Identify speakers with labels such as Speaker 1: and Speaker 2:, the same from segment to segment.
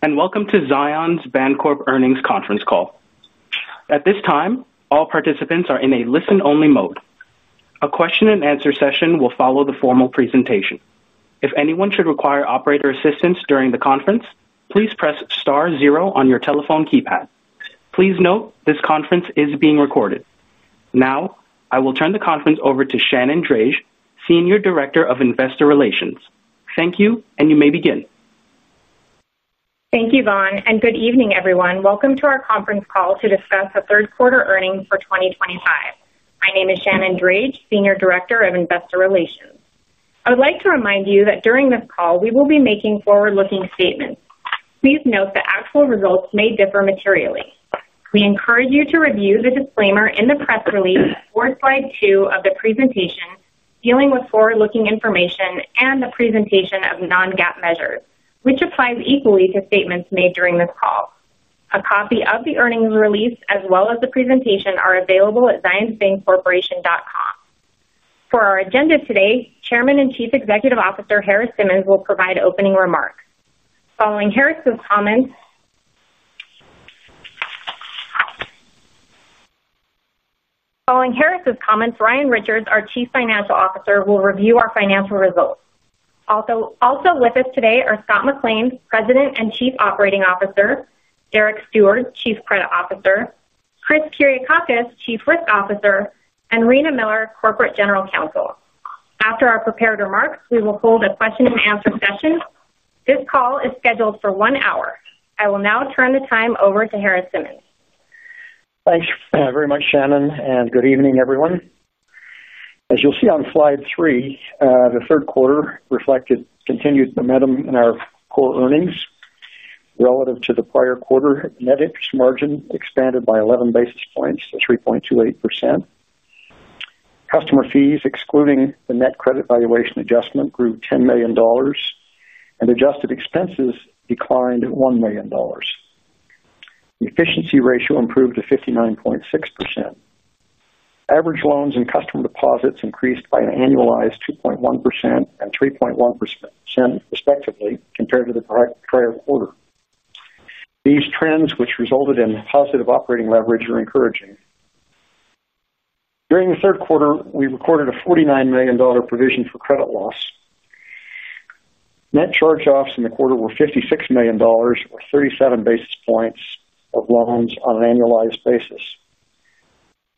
Speaker 1: Greetings, and welcome to Zions Bancorp earnings conference call. At this time, all participants are in a listen-only mode. A question and answer session will follow the formal presentation. If anyone should require operator assistance during the conference, please press star zero on your telephone keypad. Please note this conference is being recorded. Now, I will turn the conference over to Shannon Drage, Senior Director of Investor Relations. Thank you, and you may begin.
Speaker 2: Thank you, Vaughn, and good evening, everyone. Welcome to our conference call to discuss the third quarter earnings for 2025. My name is Shannon Drage, Senior Director of Investor Relations. I would like to remind you that during this call, we will be making forward-looking statements. Please note that actual results may differ materially. We encourage you to review the disclaimer in the press release or slide two of the presentation dealing with forward-looking information and the presentation of non-GAAP measures, which applies equally to statements made during this call. A copy of the earnings release, as well as the presentation, are available at zionsbancorporation.com. For our agenda today, Chairman and Chief Executive Officer Harris Simmons will provide opening remarks. Following Harris's comments, Ryan Richards, our Chief Financial Officer, will review our financial results. Also with us today are Scott McLean, President and Chief Operating Officer; Derek Steward, Chief Credit Officer; Chris Kyriakakis, Chief Risk Officer; and Rena Miller, Corporate General Counsel. After our prepared remarks, we will hold a question-and-answer session. This call is scheduled for one hour. I will now turn the time over to Harris Simmons.
Speaker 3: Thanks very much, Shannon, and good evening, everyone. As you'll see on slide three, the third quarter reflected continued momentum in our core earnings relative to the prior quarter. Net interest margin expanded by 11 basis points to 3.28%. Customer fees, excluding the net credit valuation adjustment, grew $10 million, and adjusted expenses declined $1 million. The efficiency ratio improved to 59.6%. Average loans and customer deposits increased by an annualized 2.1% and 3.1%, respectively, compared to the prior quarter. These trends, which resulted in positive operating leverage, are encouraging. During the third quarter, we recorded a $49 million provision for credit loss. Net charge-offs in the quarter were $56 million, or 37 basis points of loans on an annualized basis.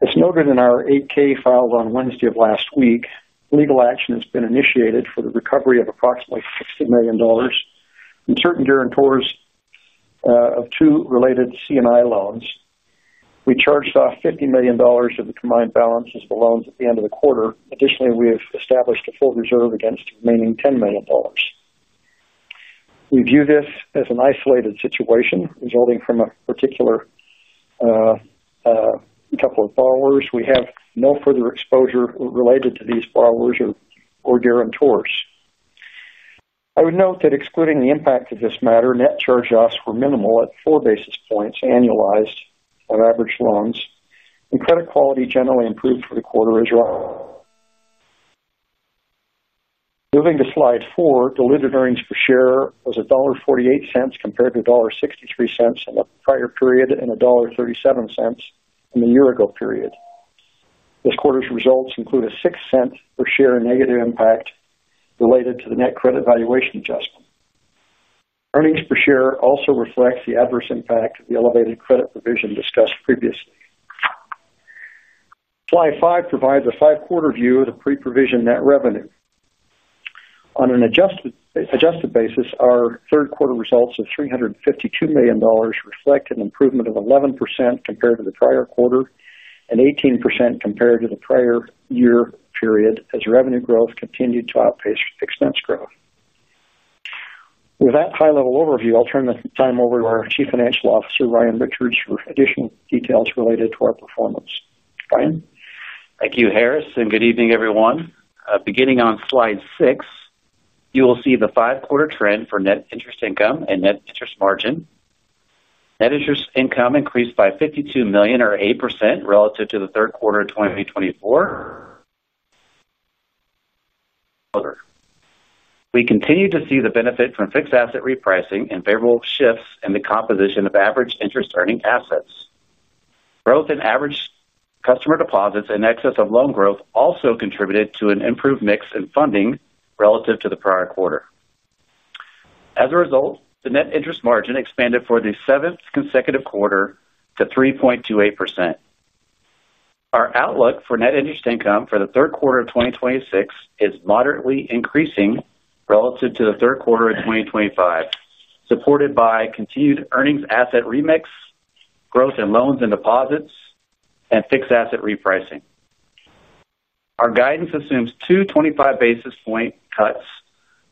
Speaker 3: As noted in our 8-K filed on Wednesday of last week, legal action has been initiated for the recovery of approximately $60 million in certain guarantors of two related CNI loans. We charged off $50 million of the combined balance of the loans at the end of the quarter. Additionally, we have established a full reserve against the remaining $10 million. We view this as an isolated situation resulting from a particular couple of borrowers. We have no further exposure related to these borrowers or guarantors. I would note that, excluding the impact of this matter, net charge-offs were minimal at 4 basis points annualized on average loans, and credit quality generally improved for the quarter as well. Moving to slide four, diluted earnings per share was $1.48 compared to $1.63 in the prior period and $1.37 in the year-ago period. This quarter's results include a $0.06 per share negative impact related to the net credit valuation adjustment. Earnings per share also reflect the adverse impact of the elevated credit provision discussed previously. Slide five provides a five-quarter view of the pre-provision net revenue. On an adjusted basis, our third quarter results of $352 million reflect an improvement of 11% compared to the prior quarter and 18% compared to the prior year period, as revenue growth continued to outpace expense growth. With that high-level overview, I'll turn the time over to our Chief Financial Officer, Ryan Richards, for additional details related to our performance.
Speaker 4: Thank you, Harris, and good evening, everyone. Beginning on slide six, you will see the five-quarter trend for net interest income and net interest margin. Net interest income increased by $52 million, or 8%, relative to the third quarter of 2024. We continue to see the benefit from fixed asset repricing and favorable shifts in the composition of average interest-earning assets. Growth in average customer deposits in excess of loan growth also contributed to an improved mix in funding relative to the prior quarter. As a result, the net interest margin expanded for the seventh consecutive quarter to 3.28%. Our outlook for net interest income for the third quarter of 2026 is moderately increasing relative to the third quarter of 2025, supported by continued earnings asset remix, growth in loans and deposits, and fixed asset repricing. Our guidance assumes two 25 basis point cuts to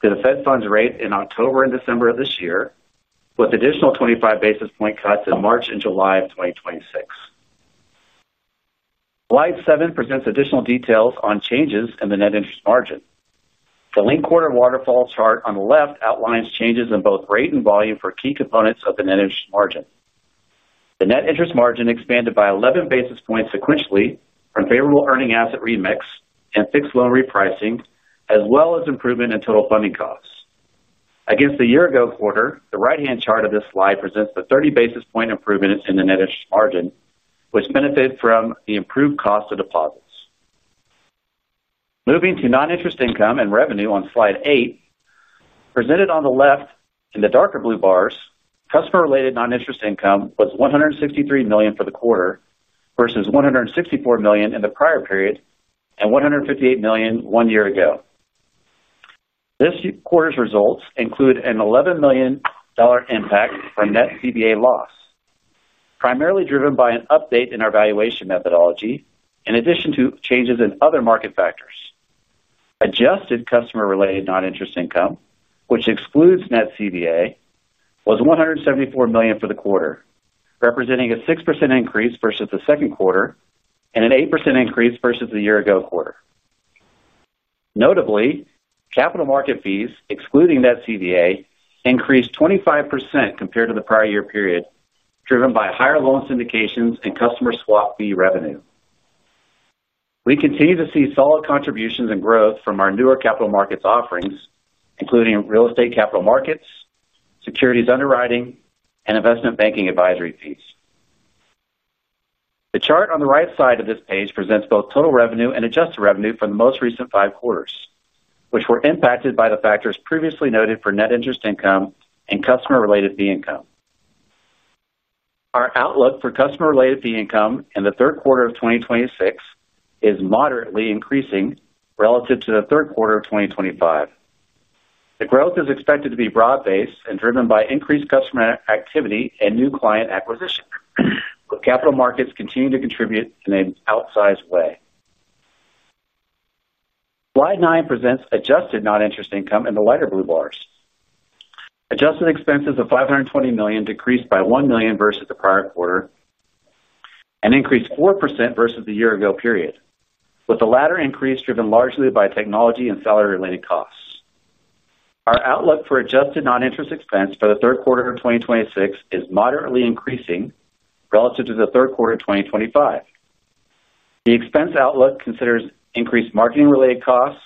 Speaker 4: the Fed funds rate in October and December of this year, with additional 25 basis point cuts in March and July of 2026. Slide seven presents additional details on changes in the net interest margin. The link quarter waterfall chart on the left outlines changes in both rate and volume for key components of the net interest margin. The net interest margin expanded by 11 basis points sequentially from favorable earning asset remix and fixed loan repricing, as well as improvement in total funding costs. Against the year-ago quarter, the right-hand chart of this slide presents the 30 basis point improvement in the net interest margin, which benefited from the improved cost of deposits. Moving to non-interest income and revenue on slide eight, presented on the left in the darker blue bars, customer-related non-interest income was $163 million for the quarter versus $164 million in the prior period and $158 million one year ago. This quarter's results include an $11 million impact from net CVA loss, primarily driven by an update in our valuation methodology, in addition to changes in other market factors. Adjusted customer-related non-interest income, which excludes net CVA, was $174 million for the quarter, representing a 6% increase versus the second quarter and an 8% increase versus the year-ago quarter. Notably, capital market fees, excluding net CVA, increased 25% compared to the prior year period, driven by higher loan syndications and customer swap fee revenue. We continue to see solid contributions and growth from our newer capital markets offerings, including real estate capital markets, securities underwriting, and investment banking advisory fees. The chart on the right side of this page presents both total revenue and adjusted revenue for the most recent five quarters, which were impacted by the factors previously noted for net interest income and customer-related fee income. Our outlook for customer-related fee income in the third quarter of 2026 is moderately increasing relative to the third quarter of 2025. The growth is expected to be broad-based and driven by increased customer activity and new client acquisitions, with capital markets continuing to contribute in an outsized way. Slide nine presents adjusted non-interest income in the lighter blue bars. Adjusted expenses of $520 million decreased by $1 million versus the prior quarter and increased 4% versus the year-ago period, with the latter increase driven largely by technology and salary-related costs. Our outlook for adjusted non-interest expense for the third quarter of 2026 is moderately increasing relative to the third quarter of 2025. The expense outlook considers increased marketing-related costs,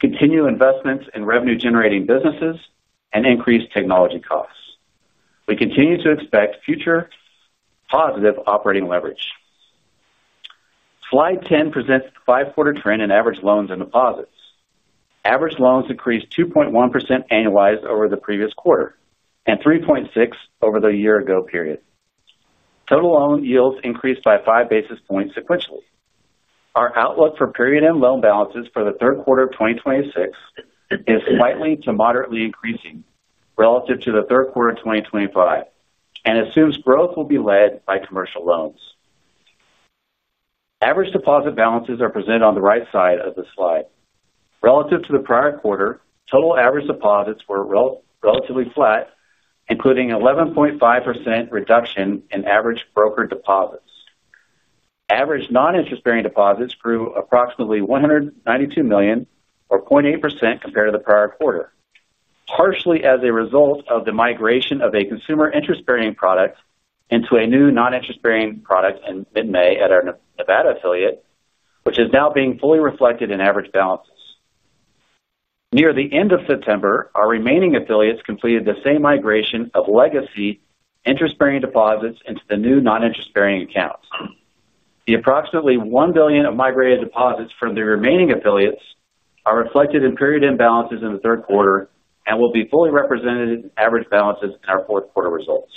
Speaker 4: continued investments in revenue-generating businesses, and increased technology costs. We continue to expect future positive operating leverage. Slide 10 presents the five-quarter trend in average loans and deposits. Average loans increased 2.1% annualized over the previous quarter and 3.6% over the year-ago period. Total loan yields increased by five basis points sequentially. Our outlook for period-end loan balances for the third quarter of 2026 is slightly to moderately increasing relative to the third quarter of 2025 and assumes growth will be led by commercial loans. Average deposit balances are presented on the right side of the slide. Relative to the prior quarter, total average deposits were relatively flat, including an 11.5% reduction in average brokered deposits. Average non-interest-bearing deposits grew approximately $192 million, or 0.8% compared to the prior quarter, partially as a result of the migration of a consumer interest-bearing product into a new non-interest-bearing product in mid-May at our Nevada affiliate, which is now being fully reflected in average balances. Near the end of September, our remaining affiliates completed the same migration of legacy interest-bearing deposits into the new non-interest-bearing accounts. The approximately $1 billion of migrated deposits from the remaining affiliates are reflected in period-end balances in the third quarter and will be fully represented in average balances in our fourth quarter results.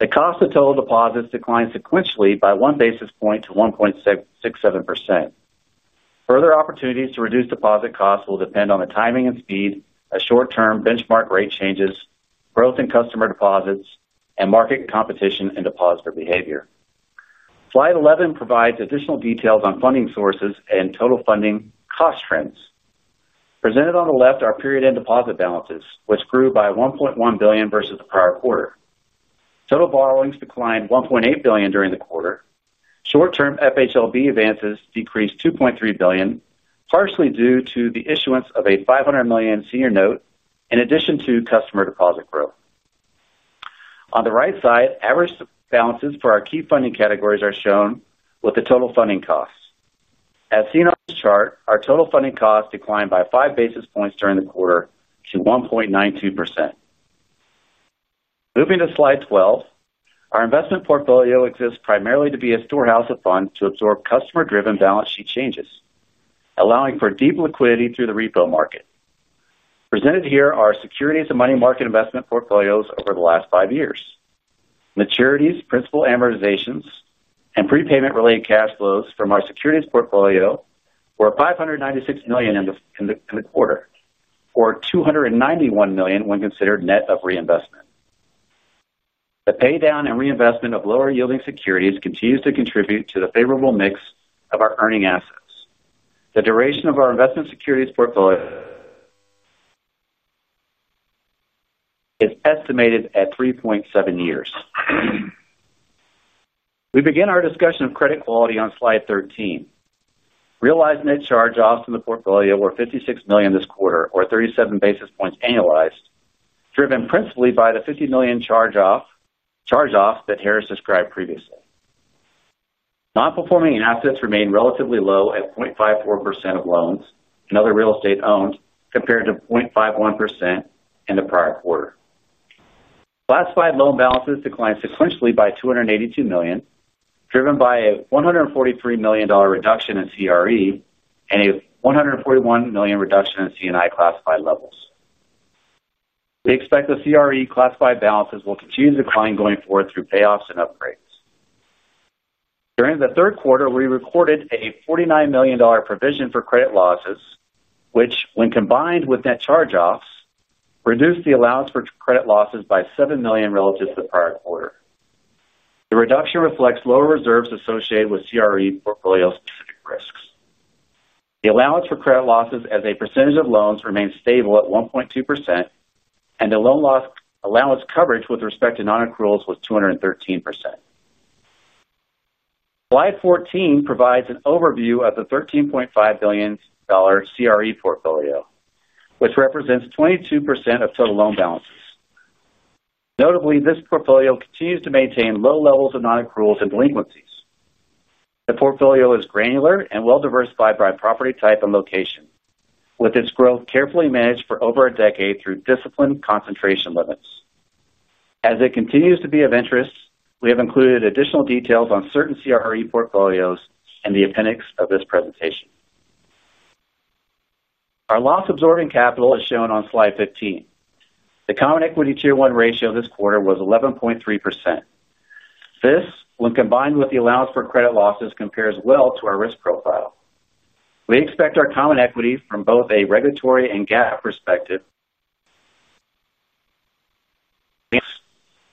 Speaker 4: The cost of total deposits declined sequentially by one basis point to 1.67%. Further opportunities to reduce deposit costs will depend on the timing and speed of short-term benchmark rate changes, growth in customer deposits, and market competition in depositor behavior. Slide 11 provides additional details on funding sources and total funding cost trends. Presented on the left are period-end deposit balances, which grew by $1.1 billion versus the prior quarter. Total borrowings declined $1.8 billion during the quarter. Short-term FHLB advances decreased $2.3 billion, partially due to the issuance of a $500 million senior note in addition to customer deposit growth. On the right side, average balances for our key funding categories are shown with the total funding costs. As seen on this chart, our total funding costs declined by five basis points during the quarter to 1.92%. Moving to slide 12, our investment portfolio exists primarily to be a storehouse of funds to absorb customer-driven balance sheet changes, allowing for deep liquidity through the repo market. Presented here are securities and money market investment portfolios over the last five years. Maturities, principal amortizations, and prepayment-related cash flows from our securities portfolio were $596 million in the quarter, or $291 million when considered net of reinvestment. The paydown and reinvestment of lower-yielding securities continues to contribute to the favorable mix of our earning assets. The duration of our investment securities portfolio is estimated at 3.7 years. We begin our discussion of credit quality on slide 13. Realized net charge-offs in the portfolio were $56 million this quarter, or 37 basis points annualized, driven principally by the $50 million charge-offs that Harris described previously. Non-performing assets remain relatively low at 0.54% of loans and other real estate owned compared to 0.51% in the prior quarter. Classified loan balances declined sequentially by $282 million, driven by a $143 million reduction in CRE and a $141 million reduction in CNI classified levels. We expect the CRE classified balances will continue to decline going forward through payoffs and upgrades. During the third quarter, we recorded a $49 million provision for credit losses, which, when combined with net charge-offs, reduced the allowance for credit losses by $7 million relative to the prior quarter. The reduction reflects lower reserves associated with CRE portfolio-specific risks. The allowance for credit losses as a percentage of loans remains stable at 1.2%, and the loan loss allowance coverage with respect to non-accruals was 213%. Slide 14 provides an overview of the $13.5 billion CRE portfolio, which represents 22% of total loan balances. Notably, this portfolio continues to maintain low levels of non-accruals and delinquencies. The portfolio is granular and well-diversified by property type and location, with its growth carefully managed for over a decade through disciplined concentration limits. As it continues to be of interest, we have included additional details on certain CRE portfolios in the appendix of this presentation. Our loss-absorbing capital is shown on slide 15. The common equity tier one ratio this quarter was 11.3%. This, when combined with the allowance for credit losses, compares well to our risk profile. We expect our common equity from both a regulatory and GAAP perspective,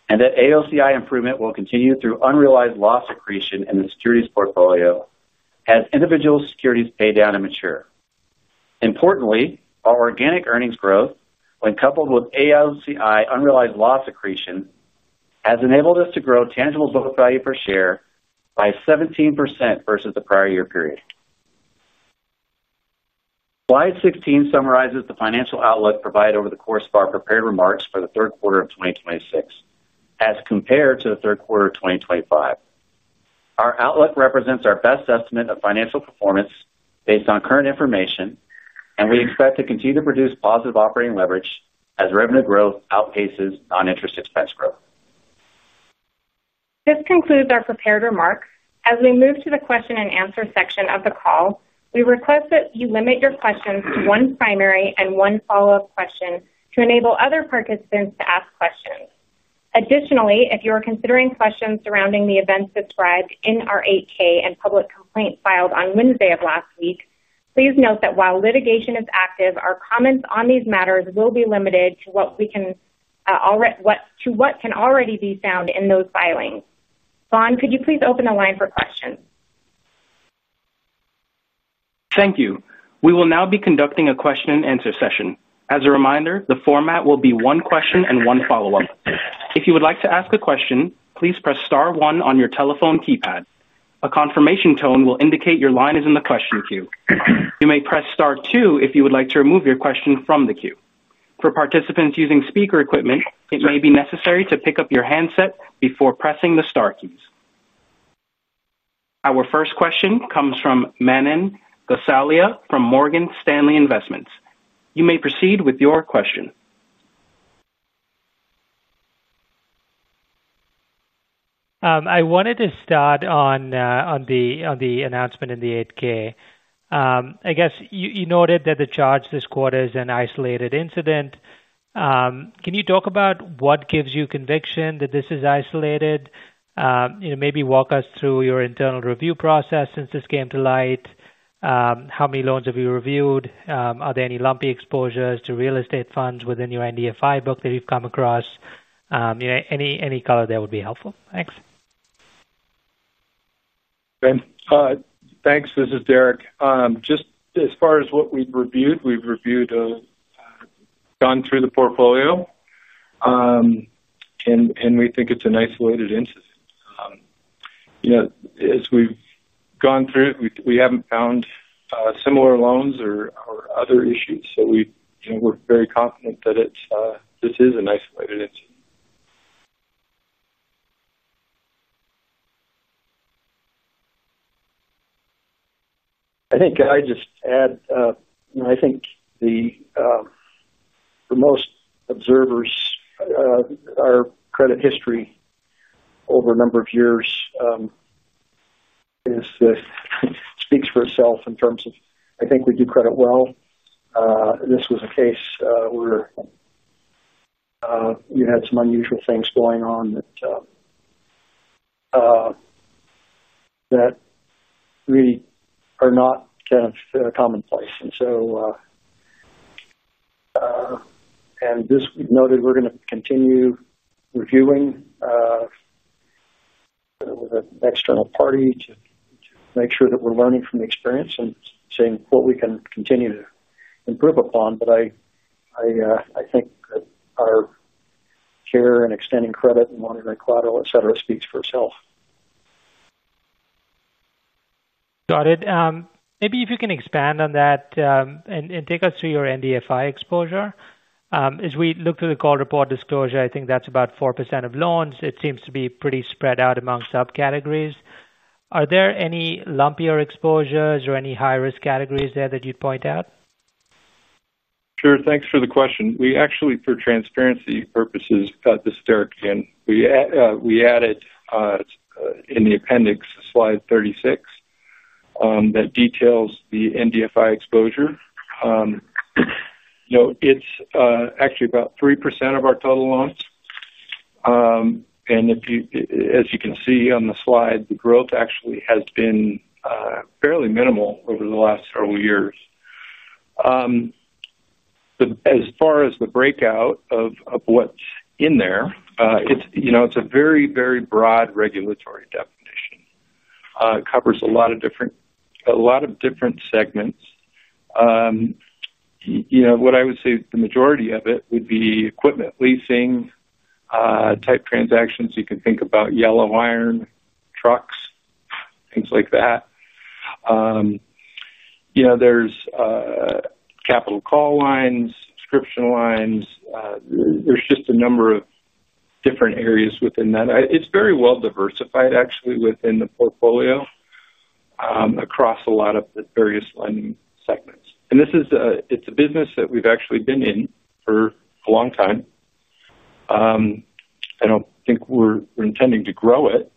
Speaker 4: and that AOCI improvement will continue through unrealized loss accretion in the securities portfolio as individual securities pay down and mature. Importantly, our organic earnings growth, when coupled with AOCI unrealized loss accretion, has enabled us to grow tangible book value per share by 17% versus the prior year period. Slide 16 summarizes the financial outlook provided over the course of our prepared remarks for the third quarter of 2026 as compared to the third quarter of 2025. Our outlook represents our best estimate of financial performance based on current information, and we expect to continue to produce positive operating leverage as revenue growth outpaces non-interest expense growth.
Speaker 2: This concludes our prepared remarks. As we move to the question and answer section of the call, we request that you limit your questions to one primary and one follow-up question to enable other participants to ask questions. Additionally, if you are considering questions surrounding the events described in our 8-K and public complaint filed on Wednesday of last week, please note that while litigation is active, our comments on these matters will be limited to what can already be found in those filings. Vaughn, could you please open the line for questions?
Speaker 1: Thank you. We will now be conducting a question-and-answer session. As a reminder, the format will be one question and one follow-up. If you would like to ask a question, please press star one on your telephone keypad. A confirmation tone will indicate your line is in the question queue. You may press star two if you would like to remove your question from the queue. For participants using speaker equipment, it may be necessary to pick up your handset before pressing the star keys. Our first question comes from Manan Gosalia from Morgan Stanley. You may proceed with your question.
Speaker 5: I wanted to start on the announcement in the 8-K. I guess you noted that the charge this quarter is an isolated incident. Can you talk about what gives you conviction that this is isolated? Maybe walk us through your internal review process since this came to light. How many loans have you reviewed? Are there any lumpy exposures to real estate funds within your NDFI book that you've come across? Any color there would be helpful. Thanks.
Speaker 6: Thanks. This is Derek. As far as what we've reviewed, we've gone through the portfolio, and we think it's an isolated incident. As we've gone through it, we haven't found similar loans or other issues. We're very confident that this is an isolated incident.
Speaker 3: I think for most observers, our credit history over a number of years speaks for itself in terms of I think we do credit well. This was a case where you had some unusual things going on that really are not kind of commonplace. As we've noted, we're going to continue reviewing with an external party to make sure that we're learning from the experience and seeing what we can continue to improve upon. I think that our care in extending credit and wanting to collateral, etc., speaks for itself.
Speaker 5: Got it. Maybe if you can expand on that and take us through your NDFI exposure. As we look through the call report disclosure, I think that's about 4% of loans. It seems to be pretty spread out amongst subcategories. Are there any lumpier exposures or any high-risk categories there that you'd point out?
Speaker 6: Sure. Thanks for the question. For transparency purposes, this is Derek again. We added in the appendix, slide 36, that details the NDFI exposure. It's actually about 3% of our total loans. As you can see on the slide, the growth actually has been fairly minimal over the last several years. As far as the breakout of what's in there, it's a very, very broad regulatory definition. It covers a lot of different segments. What I would say the majority of it would be equipment leasing type transactions. You can think about yellow iron trucks, things like that. There's capital call lines, subscription lines. There's just a number of different areas within that. It's very well diversified within the portfolio across a lot of the various lending segments. It's a business that we've actually been in for a long time. I don't think we're intending to grow it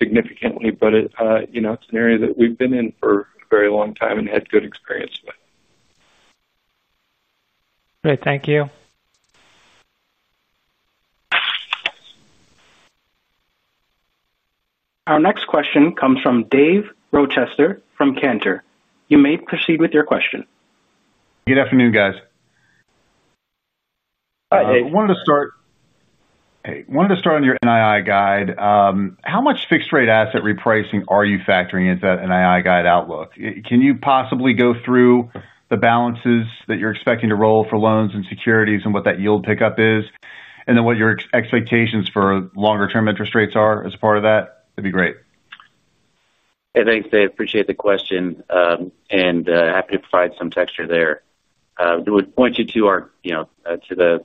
Speaker 6: significantly, but it's an area that we've been in for a very long time and had good experience with.
Speaker 5: Great, thank you.
Speaker 1: Our next question comes from Dave Rochester from Cantor. You may proceed with your question.
Speaker 7: Good afternoon, guys.
Speaker 3: Hi.
Speaker 7: I wanted to start on your NII guide. How much fixed-rate asset repricing are you factoring into that NII guide outlook? Can you possibly go through the balances that you're expecting to roll for loans and securities and what that yield pickup is, and then what your expectations for longer-term interest rates are as a part of that? That'd be great.
Speaker 4: Hey, thanks, Dave. Appreciate the question and happy to provide some texture there. I would point you to the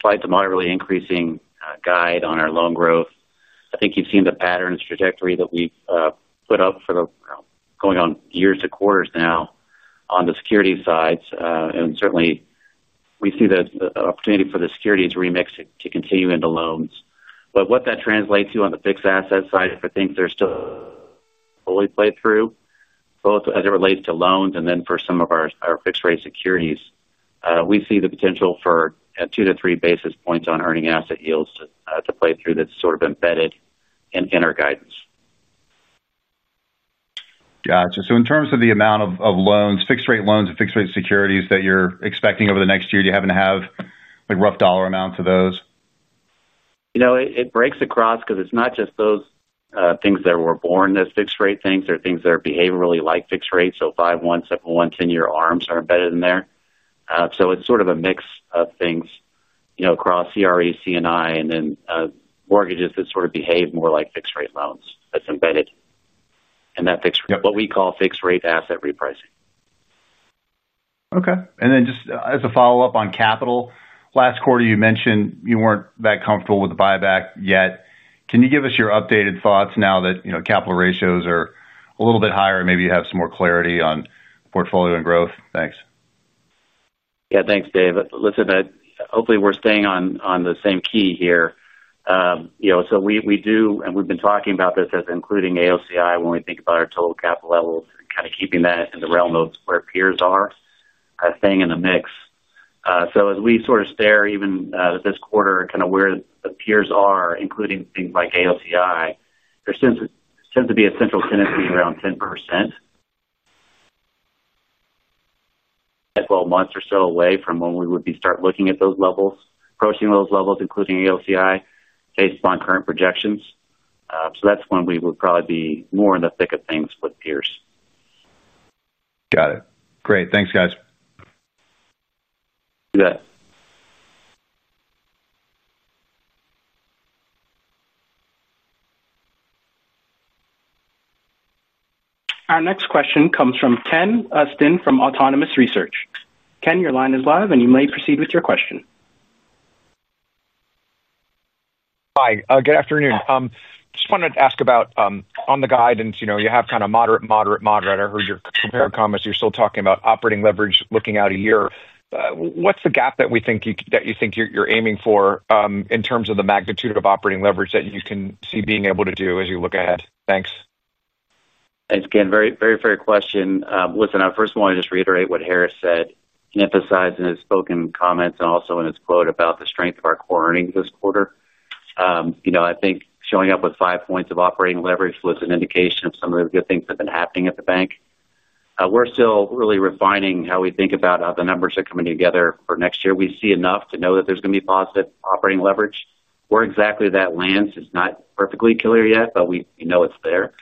Speaker 4: slightly to moderately increasing guide on our loan growth. I think you've seen the patterns trajectory that we've put up for the going on years to quarters now on the securities side. We see the opportunity for the securities remix to continue into loans. What that translates to on the fixed asset side, I think there's still a way to play through both as it relates to loans, and then for some of our fixed-rate securities, we see the potential for two to three basis points on earning asset yields to play through. That's sort of embedded in our guidance.
Speaker 7: In terms of the amount of loans, fixed-rate loans and fixed-rate securities that you're expecting over the next year, do you happen to have rough dollar amounts of those?
Speaker 4: It breaks across because it's not just those things that were born as fixed-rate things. There are things that are behaviorally like fixed rates. 5-1, 7-1, 10-year ARMs are embedded in there. It's sort of a mix of things across CRE, CNI, and then mortgages that sort of behave more like fixed-rate loans that's embedded in that fixed rate, what we call fixed-rate asset repricing.
Speaker 7: Okay. Just as a follow-up on capital, last quarter you mentioned you weren't that comfortable with the buyback yet. Can you give us your updated thoughts now that capital ratios are a little bit higher and maybe you have some more clarity on portfolio and growth? Thanks.
Speaker 4: Yeah, thanks, Dave. Hopefully we're staying on the same key here. We do, and we've been talking about this as including AOCI when we think about our total capital levels, and kind of keeping that in the realm of where peers are, staying in the mix. As we sort of stare even this quarter at where the peers are, including things like AOCI, there tends to be a central tendency around 10%. Twelve months or so away from when we would start looking at those levels, approaching those levels, including AOCI, based upon current projections. That's when we would probably be more in the thick of things with peers.
Speaker 7: Got it. Great. Thanks, guys.
Speaker 4: You bet.
Speaker 1: Our next question comes from Ken Usdin from Autonomous Research. Ken, your line is live and you may proceed with your question.
Speaker 8: Hi. Good afternoon. I just wanted to ask about on the guidance, you know, you have kind of moderate, moderate, moderate. I heard your prepared comments. You're still talking about operating leverage looking out a year. What's the gap that you think you're aiming for in terms of the magnitude of operating leverage that you can see being able to do as you look ahead? Thanks.
Speaker 4: Thanks, Ken. Very, very fair question. I first want to just reiterate what Harris said and emphasize in his spoken comments and also in his quote about the strength of our core earnings this quarter. I think showing up with five points of operating leverage was an indication of some of the good things that have been happening at the bank. We're still really refining how we think about how the numbers are coming together for next year. We see enough to know that there's going to be positive operating leverage. Where exactly that lands is not perfectly clear yet, but we know it's there.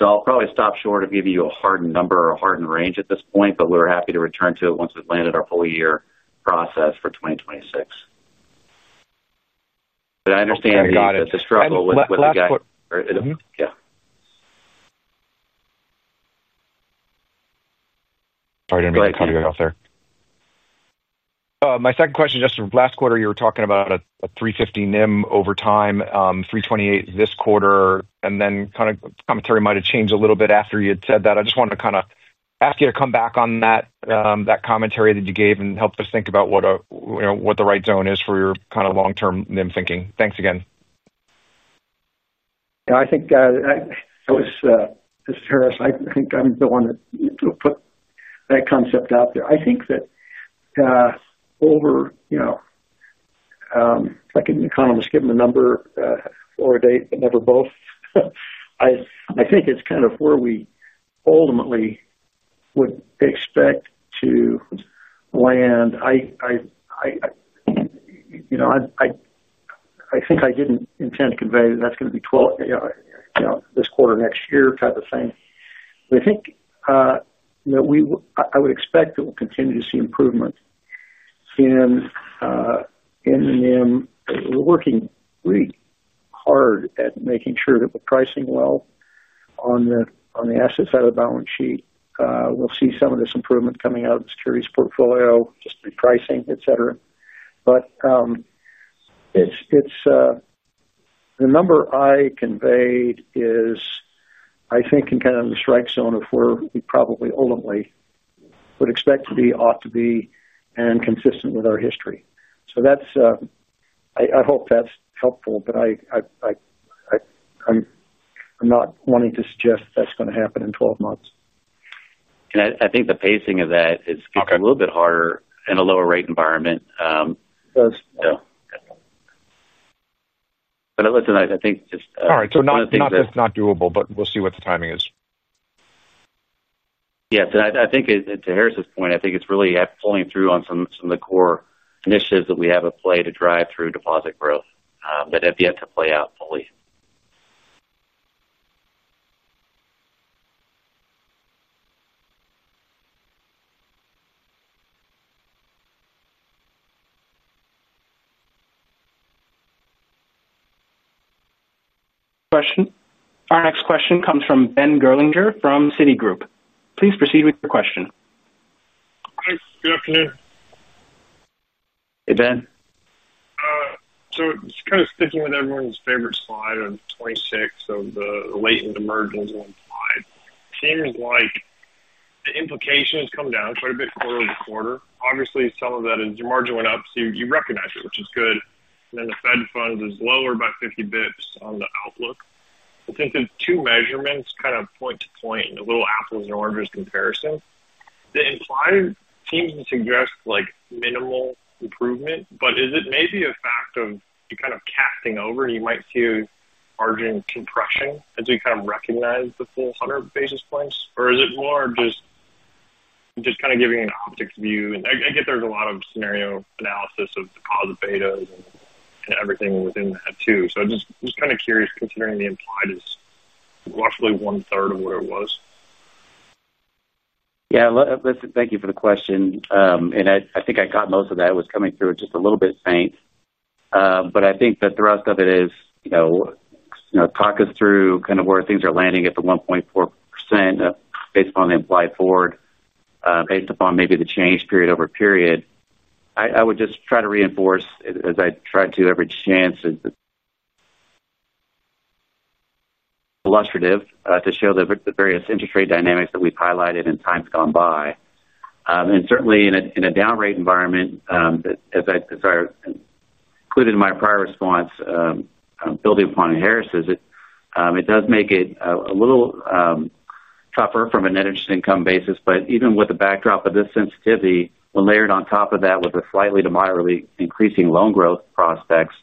Speaker 4: I'll probably stop short of giving you a hardened number or a hardened range at this point, but we're happy to return to it once we've landed our full year process for 2026. I understand the struggle with the guidance.
Speaker 8: Sorry to interrupt you. I'll cut you off there. My second question is just from last quarter. You were talking about a 3.50% NIM over time, 3.28% this quarter, and then kind of commentary might have changed a little bit after you had said that. I just wanted to kind of ask you to come back on that commentary that you gave and help us think about what the right zone is for your kind of long-term NIM thinking. Thanks again.
Speaker 3: Yeah, I think it was, this is Harris, I think I'm the one that put that concept out there. I think that over, you know, like an economist given a number or a date, but never both, I think it's kind of where we ultimately would expect to land. I didn't intend to convey that that's going to be 12 this quarter next year type of thing. I would expect that we'll continue to see improvement in NIM. We're working really hard at making sure that we're pricing well on the assets out of the balance sheet. We'll see some of this improvement coming out of the securities portfolio, just repricing, etc. The number I conveyed is, I think, in kind of the strike zone of where we probably ultimately would expect to be, ought to be, and consistent with our history. I hope that's helpful, but I'm not wanting to suggest that that's going to happen in 12 months.
Speaker 4: I think the pacing of that is getting a little bit harder in a lower rate environment.
Speaker 3: It does.
Speaker 4: I think just.
Speaker 8: All right. Not just not doable, but we'll see what the timing is.
Speaker 4: I think to Harris's point, it's really pulling through on some of the core initiatives that we have at play to drive through deposit growth that have yet to play out fully.
Speaker 1: Our next question comes from Ben Gerlinger from Citigroup. Please proceed with your question.
Speaker 9: Hi. Good afternoon.
Speaker 4: Hey, Ben.
Speaker 9: Just kind of sticking with everyone's favorite slide of 26 of the latent emergence online, it seems like the implications come down quite a bit quarter over quarter. Obviously, some of that is your margin went up, so you recognize it, which is good. The Fed funds is lower by 50 bps on the outlook. I think the two measurements kind of point to point in a little apples and oranges comparison. The implied seems to suggest like minimal improvement, but is it maybe a fact of kind of casting over and you might see a margin compression as we kind of recognize the full 100 basis points? Is it more just kind of giving an optic view? I get there's a lot of scenario analysis of deposit betas and everything within that too. I'm just kind of curious considering the implied is roughly 1/3 of what it was.
Speaker 4: Yeah. Thank you for the question. I think I got most of that. It was coming through just a little bit faint. I think the thrust of it is, you know, talk us through kind of where things are landing at the 1.4% based upon the implied forward, based upon maybe the change period over a period. I would just try to reinforce, as I try to every chance, illustrative to show the various interest rate dynamics that we've highlighted in times gone by. Certainly, in a down-rate environment, as I included in my prior response, building upon Harris' visit, it does make it a little tougher from an interest income basis. Even with the backdrop of this sensitivity, when layered on top of that with a slightly to moderately increasing loan growth prospects,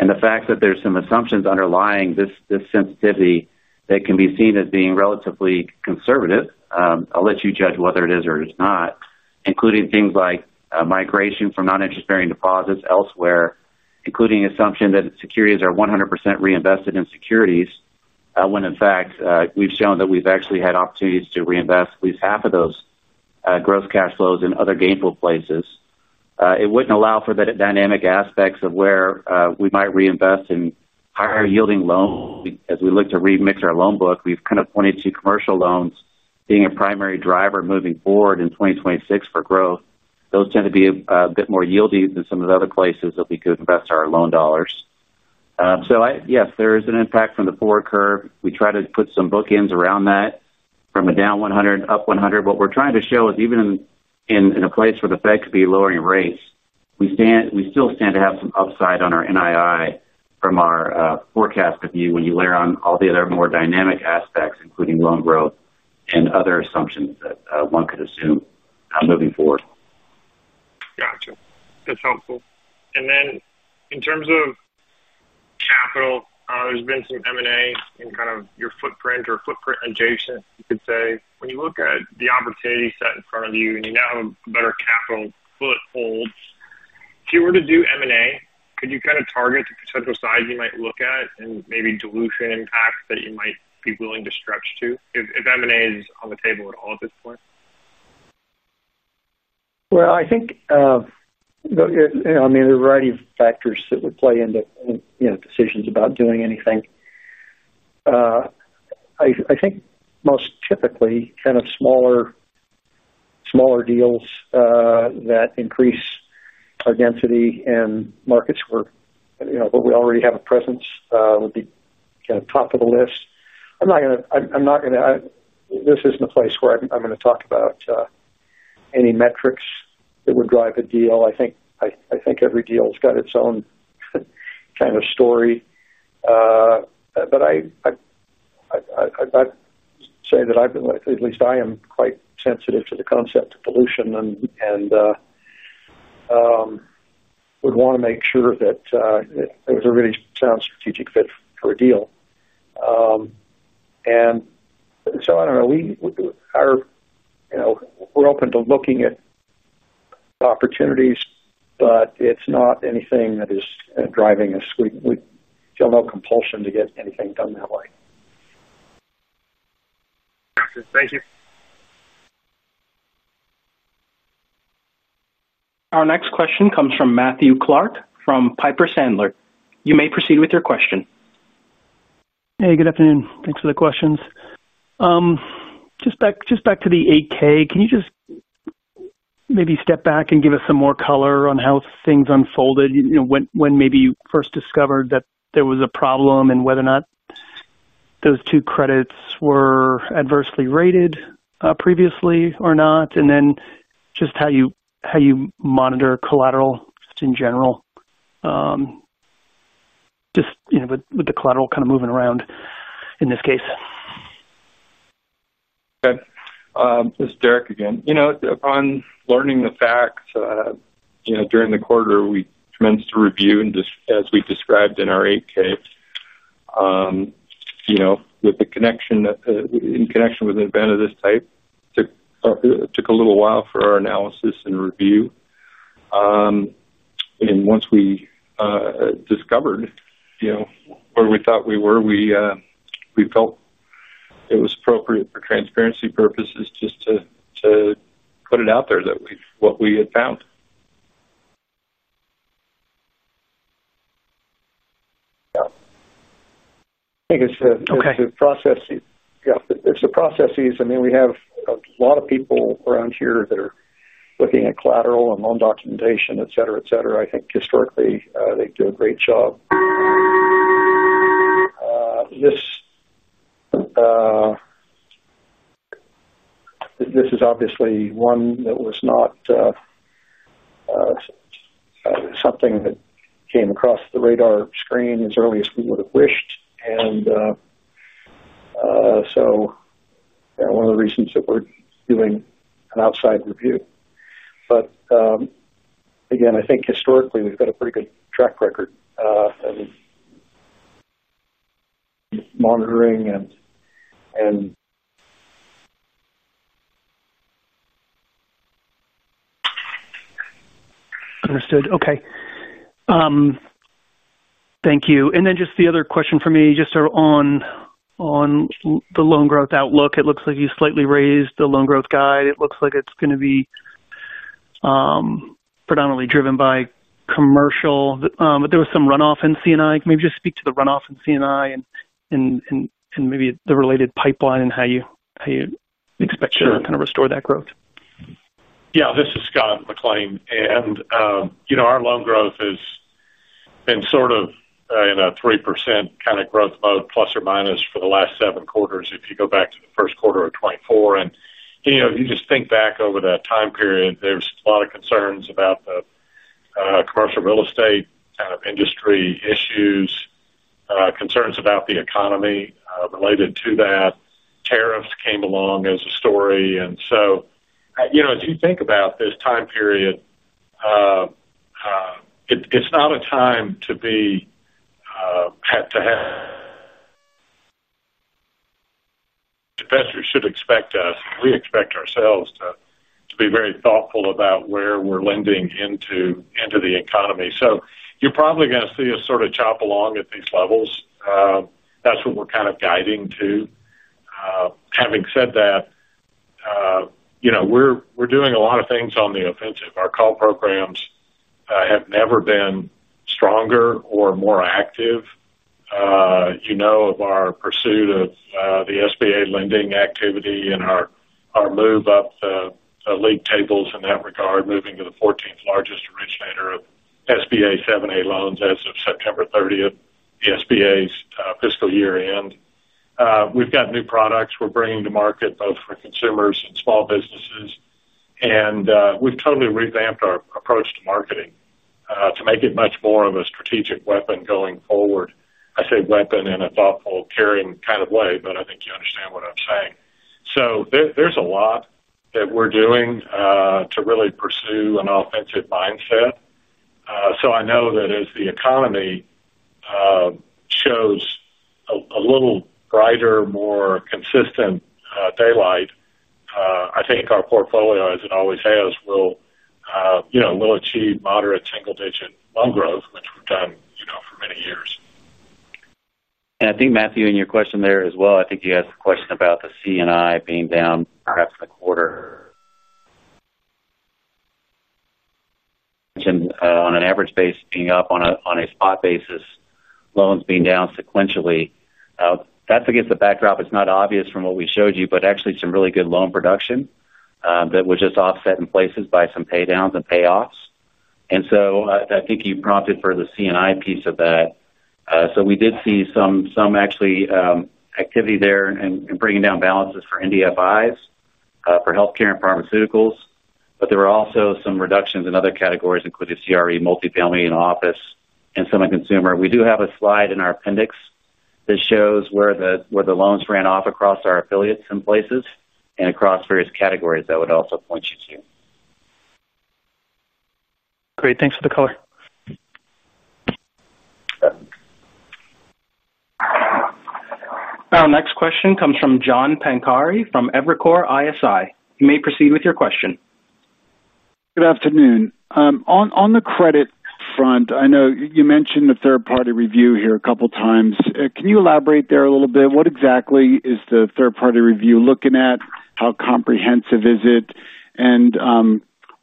Speaker 4: and the fact that there's some assumptions underlying this sensitivity that can be seen as being relatively conservative, I'll let you judge whether it is or it is not, including things like migration from non-interest-bearing deposits elsewhere, including the assumption that securities are 100% reinvested in securities when in fact we've shown that we've actually had opportunities to reinvest at least half of those gross cash flows in other gainful places. It wouldn't allow for the dynamic aspects of where we might reinvest in higher yielding loans. As we look to remix our loan book, we've kind of pointed to commercial loans being a primary driver moving forward in 2026 for growth. Those tend to be a bit more yieldy than some of the other places that we could invest our loan dollars. Yes, there is an impact from the forward curve. We try to put some bookends around that from a down 100, up 100. What we're trying to show is even in a place where the Fed could be lowering rates, we still stand to have some upside on our NII from our forecast review when you layer on all the other more dynamic aspects, including loan growth and other assumptions that one could assume moving forward.
Speaker 9: Gotcha. That's helpful. In terms of capital, there's been some M&A in kind of your footprint or footprint adjacent, you could say. When you look at the opportunity set in front of you and you now have a better capital foothold, if you were to do M&A, could you kind of target the potential size you might look at and maybe dilution impacts that you might be willing to stretch to if M&A is on the table at all at this point?
Speaker 3: I think there are a variety of factors that would play into decisions about doing anything. I think most typically kind of smaller deals that increase our density in markets where we already have a presence would be kind of top of the list. I'm not going to, this isn't a place where I'm going to talk about any metrics that would drive a deal. I think every deal has got its own kind of story. I say that I am quite sensitive to the concept of dilution and would want to make sure that it was a really sound strategic fit for a deal. I don't know. We're open to looking at the opportunities, but it's not anything that is driving us. We feel no compulsion to get anything done that way.
Speaker 9: Thank you.
Speaker 1: Our next question comes from Matthew Clark from Piper Sandler. You may proceed with your question.
Speaker 10: Hey, good afternoon. Thanks for the questions. Just back to the 8-K, can you just maybe step back and give us some more color on how things unfolded? You know, when maybe you first discovered that there was a problem and whether or not those two credits were adversely rated previously or not, and then just how you monitor collateral in general, with the collateral kind of moving around in this case.
Speaker 6: Okay. This is Derek again. Upon learning the facts during the quarter, we commenced to review, and as we described in our 8-K, in connection with an event of this type, it took a little while for our analysis and review. Once we discovered where we thought we were, we felt it was appropriate for transparency purposes just to put it out there what we had found.
Speaker 3: Yeah. I think it's a process. I mean, we have a lot of people around here that are looking at collateral and loan documentation, etc., etc. I think historically they do a great job. This is obviously one that was not something that came across the radar screen as early as we would have wished. One of the reasons that we're doing an outside review. Again, I think historically we've got a pretty good track record in monitoring.
Speaker 10: Understood. Okay. Thank you. Just the other question for me, just sort of on the loan growth outlook. It looks like you slightly raised the loan growth guide. It looks like it's going to be predominantly driven by commercial, but there was some runoff in CNI. Maybe just speak to the runoff in CNI and maybe the related pipeline and how you expect to kind of restore that growth.
Speaker 11: Yeah. This is Scott McLean. Our loan growth has been sort of in a 3% kind of growth mode, plus or minus, for the last seven quarters. If you go back to the first quarter of 2024, and you just think back over that time period, there's a lot of concerns about the commercial real estate kind of industry issues, concerns about the economy related to that. Tariffs came along as a story. As you think about this time period, it's not a time to be at. Investors should expect us, and we expect ourselves to be very thoughtful about where we're lending into the economy. You're probably going to see us sort of chop along at these levels. That's what we're kind of guiding to. Having said that, we're doing a lot of things on the offensive. Our call programs have never been stronger or more active. Our pursuit of the SBA lending activity and our move up the league tables in that regard, moving to the 14th largest originator of SBA 7(a) loans as of September 30th, the SBA's fiscal year-end. We've got new products we're bringing to market both for consumers and small businesses. We've totally revamped our approach to marketing to make it much more of a strategic weapon going forward. I say weapon in a thoughtful, caring kind of way, but I think you understand what I'm saying. There's a lot that we're doing to really pursue an offensive mindset. I know that as the economy shows a little brighter, more consistent daylight, I think our portfolio, as it always has, will achieve moderate single-digit loan growth, which we've done for many years.
Speaker 4: I think, Matthew, in your question there as well, I think you asked a question about the CNI being down perhaps in a quarter. Mentioned on an average basis being up, on a spot basis, loans being down sequentially. That's against the backdrop. It's not obvious from what we showed you, but actually some really good loan production that was just offset in places by some paydowns and payoffs. I think you prompted for the CNI piece of that. We did see some activity there in bringing down balances for NDFIs for healthcare and pharmaceuticals. There were also some reductions in other categories, including CRE, multifamily, and office, and some in consumer. We do have a slide in our appendix that shows where the loans ran off across our affiliates in places and across various categories I would also point you to.
Speaker 10: Great. Thanks for the color.
Speaker 1: Our next question comes from John Pancari from Evercore ISI. You may proceed with your question.
Speaker 12: Good afternoon. On the credit front, I know you mentioned the third-party review here a couple of times. Can you elaborate there a little bit? What exactly is the third-party review looking at? How comprehensive is it?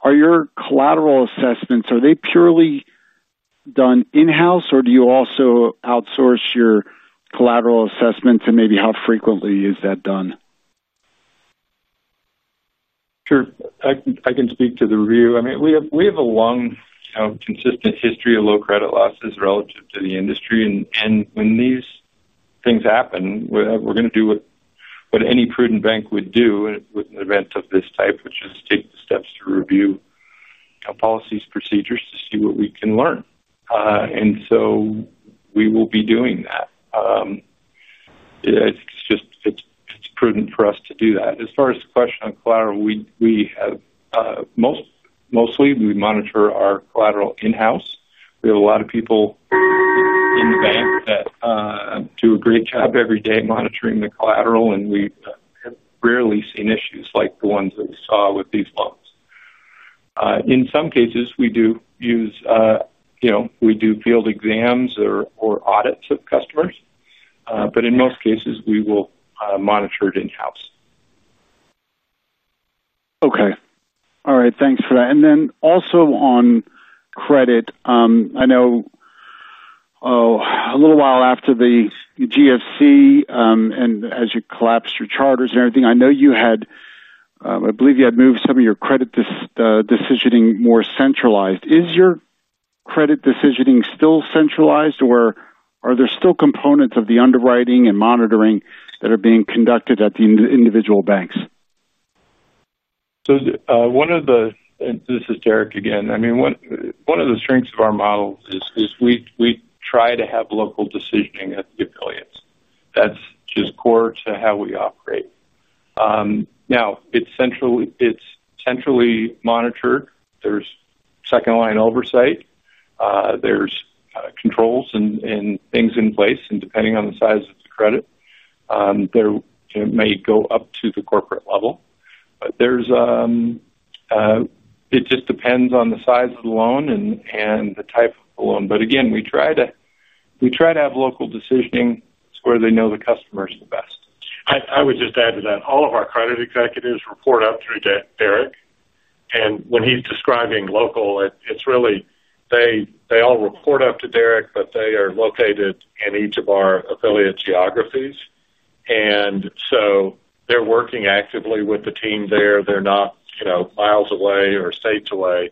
Speaker 12: Are your collateral assessments purely done in-house, or do you also outsource your collateral assessments, and maybe how frequently is that done?
Speaker 11: Sure. I can speak to the review. We have a long, consistent history of low credit losses relative to the industry. When these things happen, we're going to do what any prudent bank would do in an event of this type, which is take the steps to review policies and procedures to see what we can learn, and so we will be doing that. It's just prudent for us to do that. As far as the question on collateral, we have, mostly, we monitor our collateral in-house. We have a lot of people in the bank that do a great job every day monitoring the collateral, and we have rarely seen issues like the ones that we saw with these loans. In some cases, we do field exams or audits of customers, but in most cases, we will monitor it in-house.
Speaker 12: Okay. All right. Thanks for that. Also, on credit, I know a little while after the GFC, and as you collapsed your charters and everything, I know you had, I believe you had moved some of your credit decisioning more centralized. Is your credit decisioning still centralized, or are there still components of the underwriting and monitoring that are being conducted at the individual banks?
Speaker 11: One of the strengths of our model is we try to have local decisioning at the affiliates. That's just core to how we operate. Now, it's centrally monitored. There's second-line oversight, controls, and things in place. Depending on the size of the credit, they may go up to the corporate level. It just depends on the size of the loan and the type of the loan. Again, we try to have local decisioning. It's where they know the customers the best. I would just add to that. All of our credit executives report up through Derek. When he's describing local, it's really they all report up to Derek, but they are located in each of our affiliate geographies. They are working actively with the team there. They're not, you know, miles away or states away.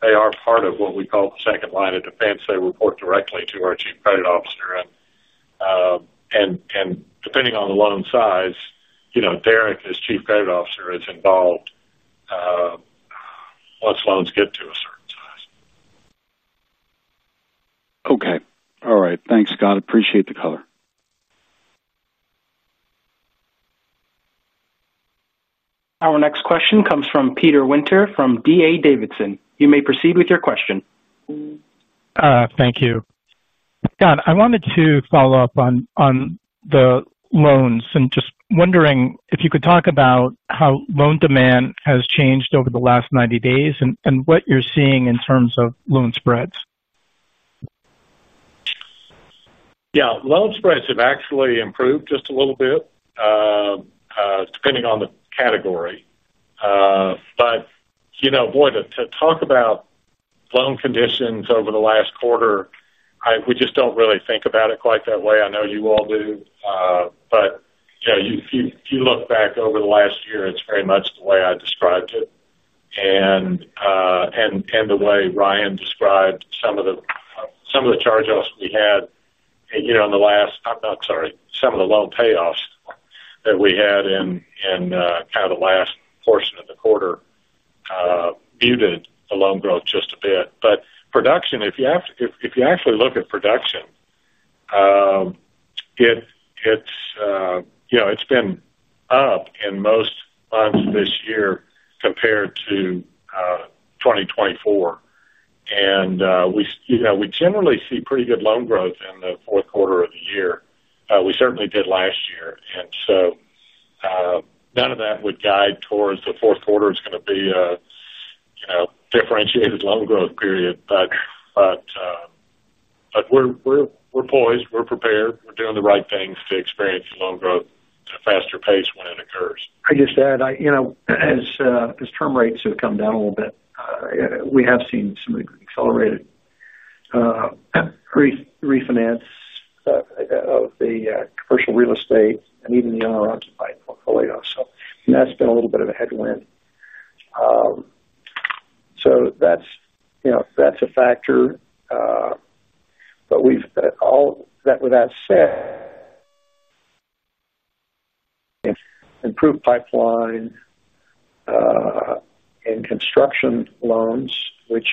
Speaker 11: They are part of what we call the second line of defense. They report directly to our Chief Credit Officer. Depending on the loan size, you know, Derek as Chief Credit Officer is involved once loans get to a certain size.
Speaker 12: Okay. All right. Thanks, Scott. Appreciate the color.
Speaker 1: Our next question comes from Peter Winter from D.A. Davidson. You may proceed with your question.
Speaker 13: Thank you. I wanted to follow up on the loans and just wondering if you could talk about how loan demand has changed over the last 90 days and what you're seeing in terms of loan spreads.
Speaker 6: Yeah. Loan spreads have actually improved just a little bit, depending on the category. To talk about loan conditions over the last quarter, we just don't really think about it quite that way. I know you all do. If you look back over the last year, it's very much the way I described it. The way Ryan described some of the charge-offs we had, some of the loan payoffs that we had in kind of the last portion of the quarter muted the loan growth just a bit. If you actually look at production, it's been up in most months this year compared to 2024. We generally see pretty good loan growth in the fourth quarter of the year. We certainly did last year. None of that would guide towards the fourth quarter is going to be a differentiated loan growth period. We're poised. We're prepared. We're doing the right things to experience loan growth at a faster pace when it occurs.
Speaker 3: I just add, as term rates have come down a little bit, we have seen some accelerated refinance of the commercial real estate and even the unrepresented by portfolio. That's been a little bit of a headwind. That's a factor. With that said, improved pipeline and construction loans, which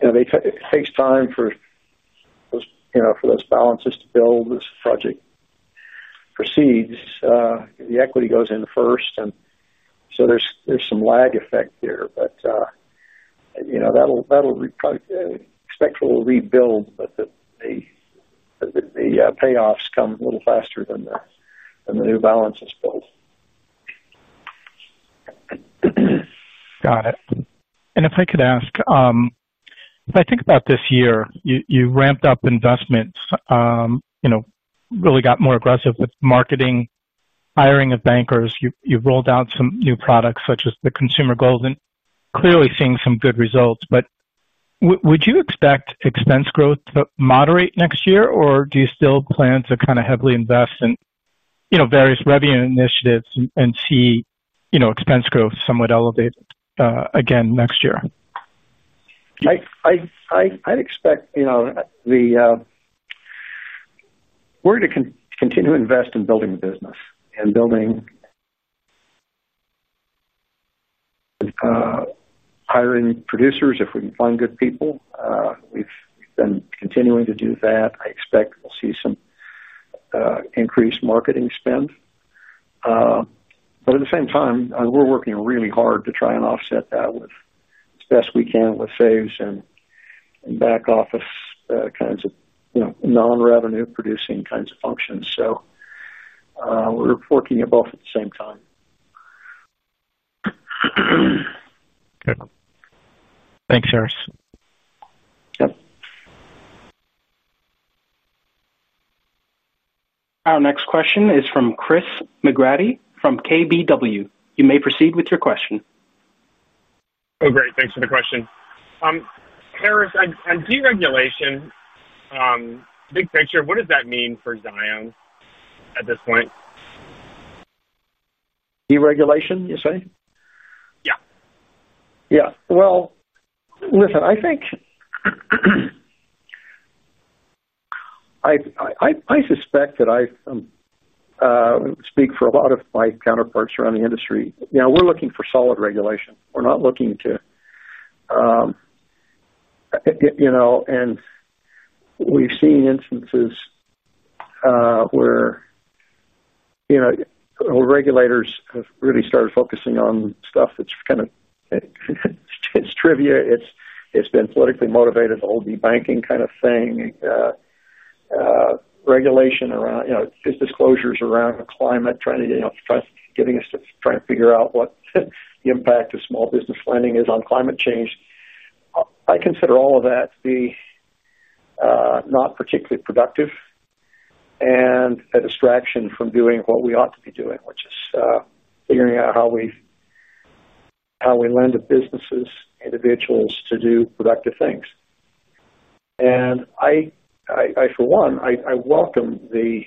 Speaker 3: it takes time for those balances to build as the project proceeds. The equity goes in first, and there's some lag effect here. That'll expect for a little rebuild, but the payoffs come a little faster than the new balances build.
Speaker 13: Got it. If I think about this year, you ramped up investments, really got more aggressive with marketing, hiring of bankers. You've rolled out some new products such as the consumer gold and clearly seeing some good results. Would you expect expense growth to moderate next year, or do you still plan to kind of heavily invest in various revenue initiatives and see expense growth somewhat elevated again next year?
Speaker 3: I'd expect, you know, we're going to continue to invest in building the business and building hiring producers if we can find good people. We've been continuing to do that. I expect we'll see some increased marketing spend. At the same time, we're working really hard to try and offset that as best we can with saves and back-office kinds of non-revenue-producing kinds of functions. We're working at both at the same time.
Speaker 13: Good, thanks, Harris.
Speaker 3: Yep.
Speaker 1: Our next question is from Christopher McGratty from KBW. You may proceed with your question.
Speaker 14: Oh, great. Thanks for the question. Harris, deregulation, big picture, what does that mean for Zions at this point?
Speaker 3: Deregulation, you say?
Speaker 14: Yeah.
Speaker 3: Yeah. I think I suspect that I speak for a lot of my counterparts around the industry. You know, we're looking for solid regulation. We're not looking to, you know, and we've seen instances where regulators have really started focusing on stuff that's kind of, it's trivia. It's been politically motivated, the whole debanking kind of thing, regulation around, you know, disclosures around climate, trying to get us to try and figure out what the impact of small business lending is on climate change. I consider all of that to be not particularly productive and a distraction from doing what we ought to be doing, which is figuring out how we lend to businesses, individuals, to do productive things. I, for one, welcome the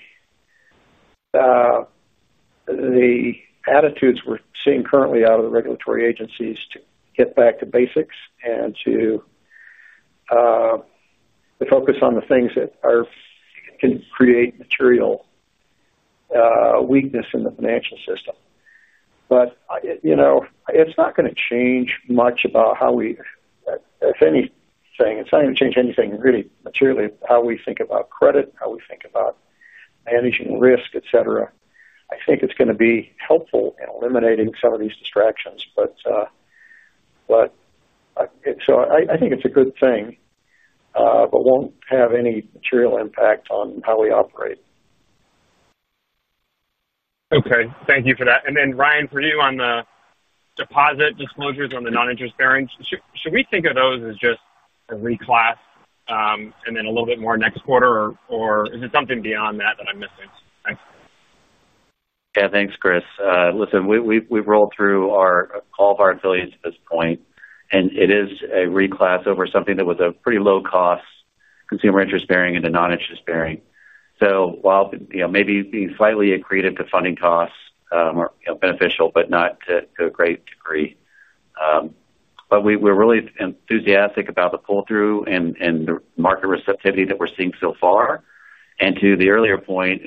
Speaker 3: attitudes we're seeing currently out of the regulatory agencies to get back to basics and to focus on the things that can create material weakness in the financial system. You know it's not going to change much about how we, if anything, it's not going to change anything really materially how we think about credit, how we think about managing risk, etc. I think it's going to be helpful in eliminating some of these distractions. I think it's a good thing, but won't have any material impact on how we operate.
Speaker 14: Okay. Thank you for that. Ryan, for you on the deposit disclosures on the non-interest bearings, should we think of those as just a reclass and then a little bit more next quarter, or is it something beyond that that I'm missing? Thanks.
Speaker 4: Yeah. Thanks, Chris. Listen, we've rolled through all of our affiliates at this point, and it is a reclass over something that was a pretty low-cost consumer interest bearing and a non-interest bearing. While maybe being slightly accretive to funding costs or beneficial, not to a great degree. We're really enthusiastic about the pull-through and the market receptivity that we're seeing so far. To the earlier point,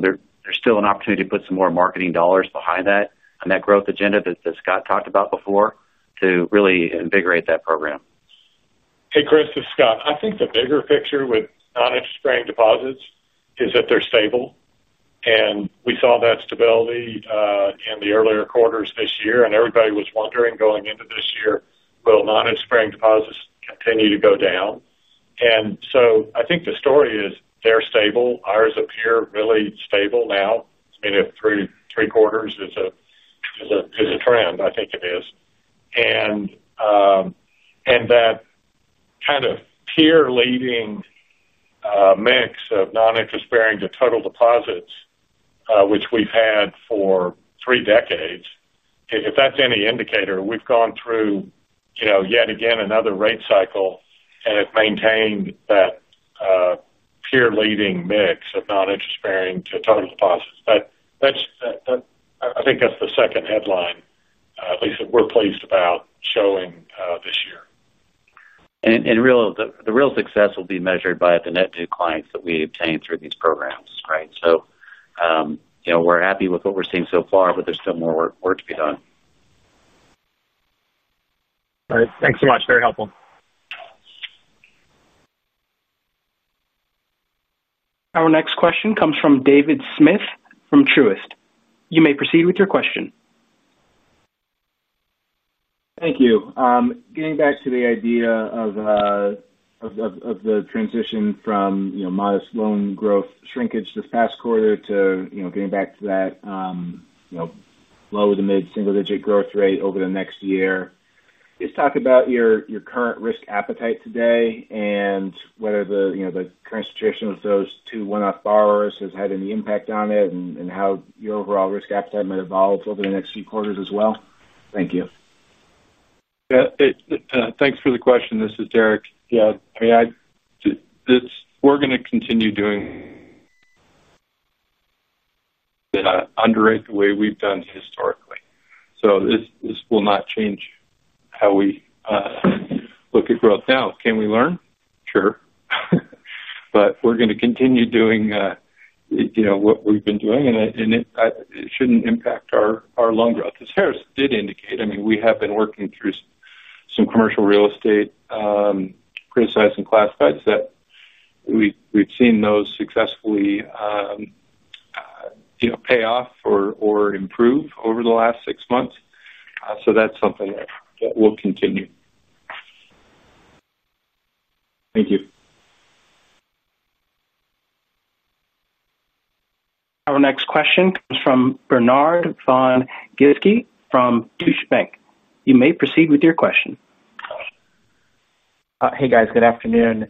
Speaker 4: there's still an opportunity to put some more marketing dollars behind that and that growth agenda that Scott talked about before to really invigorate that program.
Speaker 11: Hey, Chris. This is Scott. I think the bigger picture with non-interest bearing deposits is that they're stable. We saw that stability in the earlier quarters this year, and everybody was wondering going into this year, will non-interest bearing deposits continue to go down? I think the story is they're stable. Ours appear really stable now. I mean, if three quarters is a trend, I think it is. That kind of peer-leading mix of non-interest bearing to total deposits, which we've had for three decades, if that's any indicator, we've gone through yet again another rate cycle and have maintained that peer-leading mix of non-interest bearing to total deposits. I think that's the second headline, at least that we're pleased about showing this year.
Speaker 4: The real success will be measured by the net new clients that we obtain through these programs, right? We're happy with what we're seeing so far, but there's still more work to be done.
Speaker 14: All right. Thanks so much. Very helpful.
Speaker 1: Our next question comes from David Smith from Truist. You may proceed with your question.
Speaker 15: Thank you. Getting back to the idea of the transition from modest loan growth shrinkage this past quarter to getting back to that low to mid-single-digit growth rate over the next year, please talk about your current risk appetite today and whether the current situation with those two one-off borrowers has had any impact on it, and how your overall risk appetite might evolve over the next few quarters as well. Thank you.
Speaker 6: Yeah. Thanks for the question. This is Derek. Yeah. I mean, we're going to continue doing underwriting the way we've done historically. This will not change how we look at growth now. Can we learn? Sure. We're going to continue doing what we've been doing, and it shouldn't impact our loan growth. As Harris did indicate, we have been working through some commercial real estate criticized and classified. We've seen those successfully pay off or improve over the last six months. That's something that will continue.
Speaker 15: Thank you.
Speaker 1: Our next question comes from Bernard von Gizycki from Deutsche Bank. You may proceed with your question.
Speaker 16: Hey, guys. Good afternoon.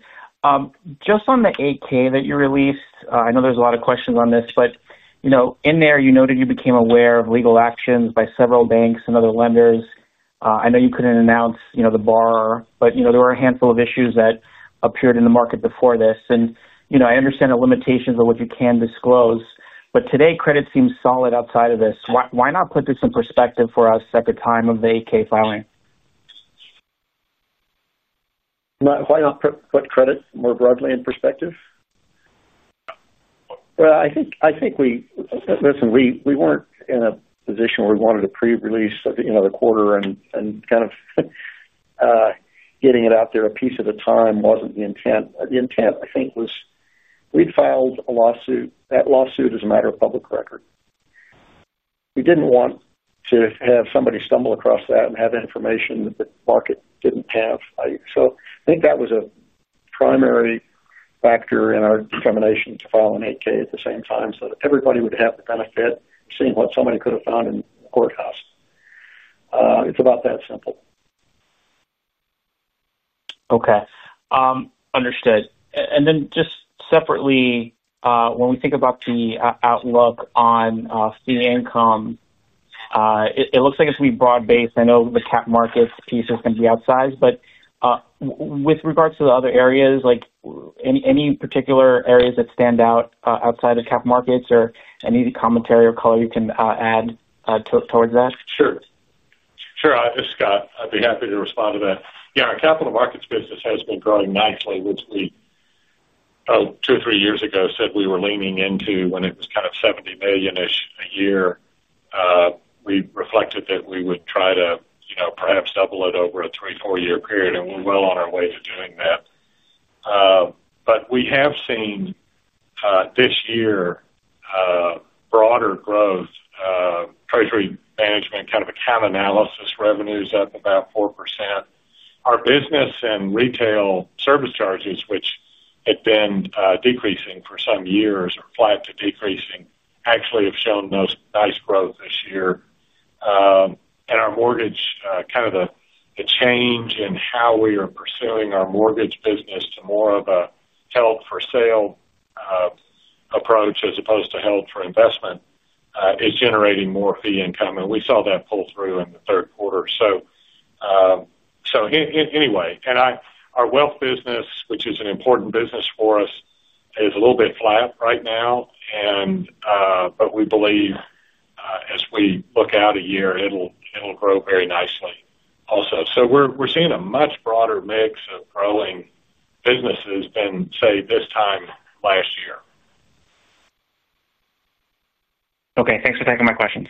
Speaker 16: Just on the 8-K that you released, I know there's a lot of questions on this, but in there, you noted you became aware of legal actions by several banks and other lenders. I know you couldn't announce the borrower, but there were a handful of issues that appeared in the market before this. I understand the limitations of what you can disclose, but today, credit seems solid outside of this. Why not put this in perspective for a second time of the 8-K filing?
Speaker 3: Why not put credit more broadly in perspective? I think we weren't in a position where we wanted a pre-release of the quarter, and kind of getting it out there a piece at a time wasn't the intent. The intent, I think, was we'd filed a lawsuit. That lawsuit is a matter of public record. We didn't want to have somebody stumble across that and have information that the market didn't have. I think that was a primary factor in our determination to file an 8K at the same time so that everybody would have the benefit of seeing what somebody could have found in the courthouse. It's about that simple.
Speaker 16: Okay. Understood. When we think about the outlook on fee income, it looks like it's going to be broad-based. I know the capital markets piece is going to be outsized. With regards to the other areas, are there any particular areas that stand out outside of capital markets or any commentary or color you can add towards that?
Speaker 11: Sure. I'll just, Scott, I'd be happy to respond to that. Yeah, our capital markets business has been growing nicely, which we, two or three years ago, said we were leaning into when it was kind of $70 million-ish a year. We reflected that we would try to, you know, perhaps double it over a three or four-year period, and we're well on our way to doing that. We have seen this year broader growth, treasury management, kind of account analysis, revenues up about 4%. Our business and retail service charges, which had been decreasing for some years or flat to decreasing, actually have shown nice growth this year. Our mortgage, kind of the change in how we are pursuing our mortgage business to more of a held-for-sale approach as opposed to held-for-investment, is generating more fee income. We saw that pull through in the third quarter. Anyway, our wealth business, which is an important business for us, is a little bit flat right now, but we believe, as we look out a year, it'll grow very nicely also. We're seeing a much broader mix of growing businesses than, say, this time last year.
Speaker 16: Okay, thanks for taking my questions.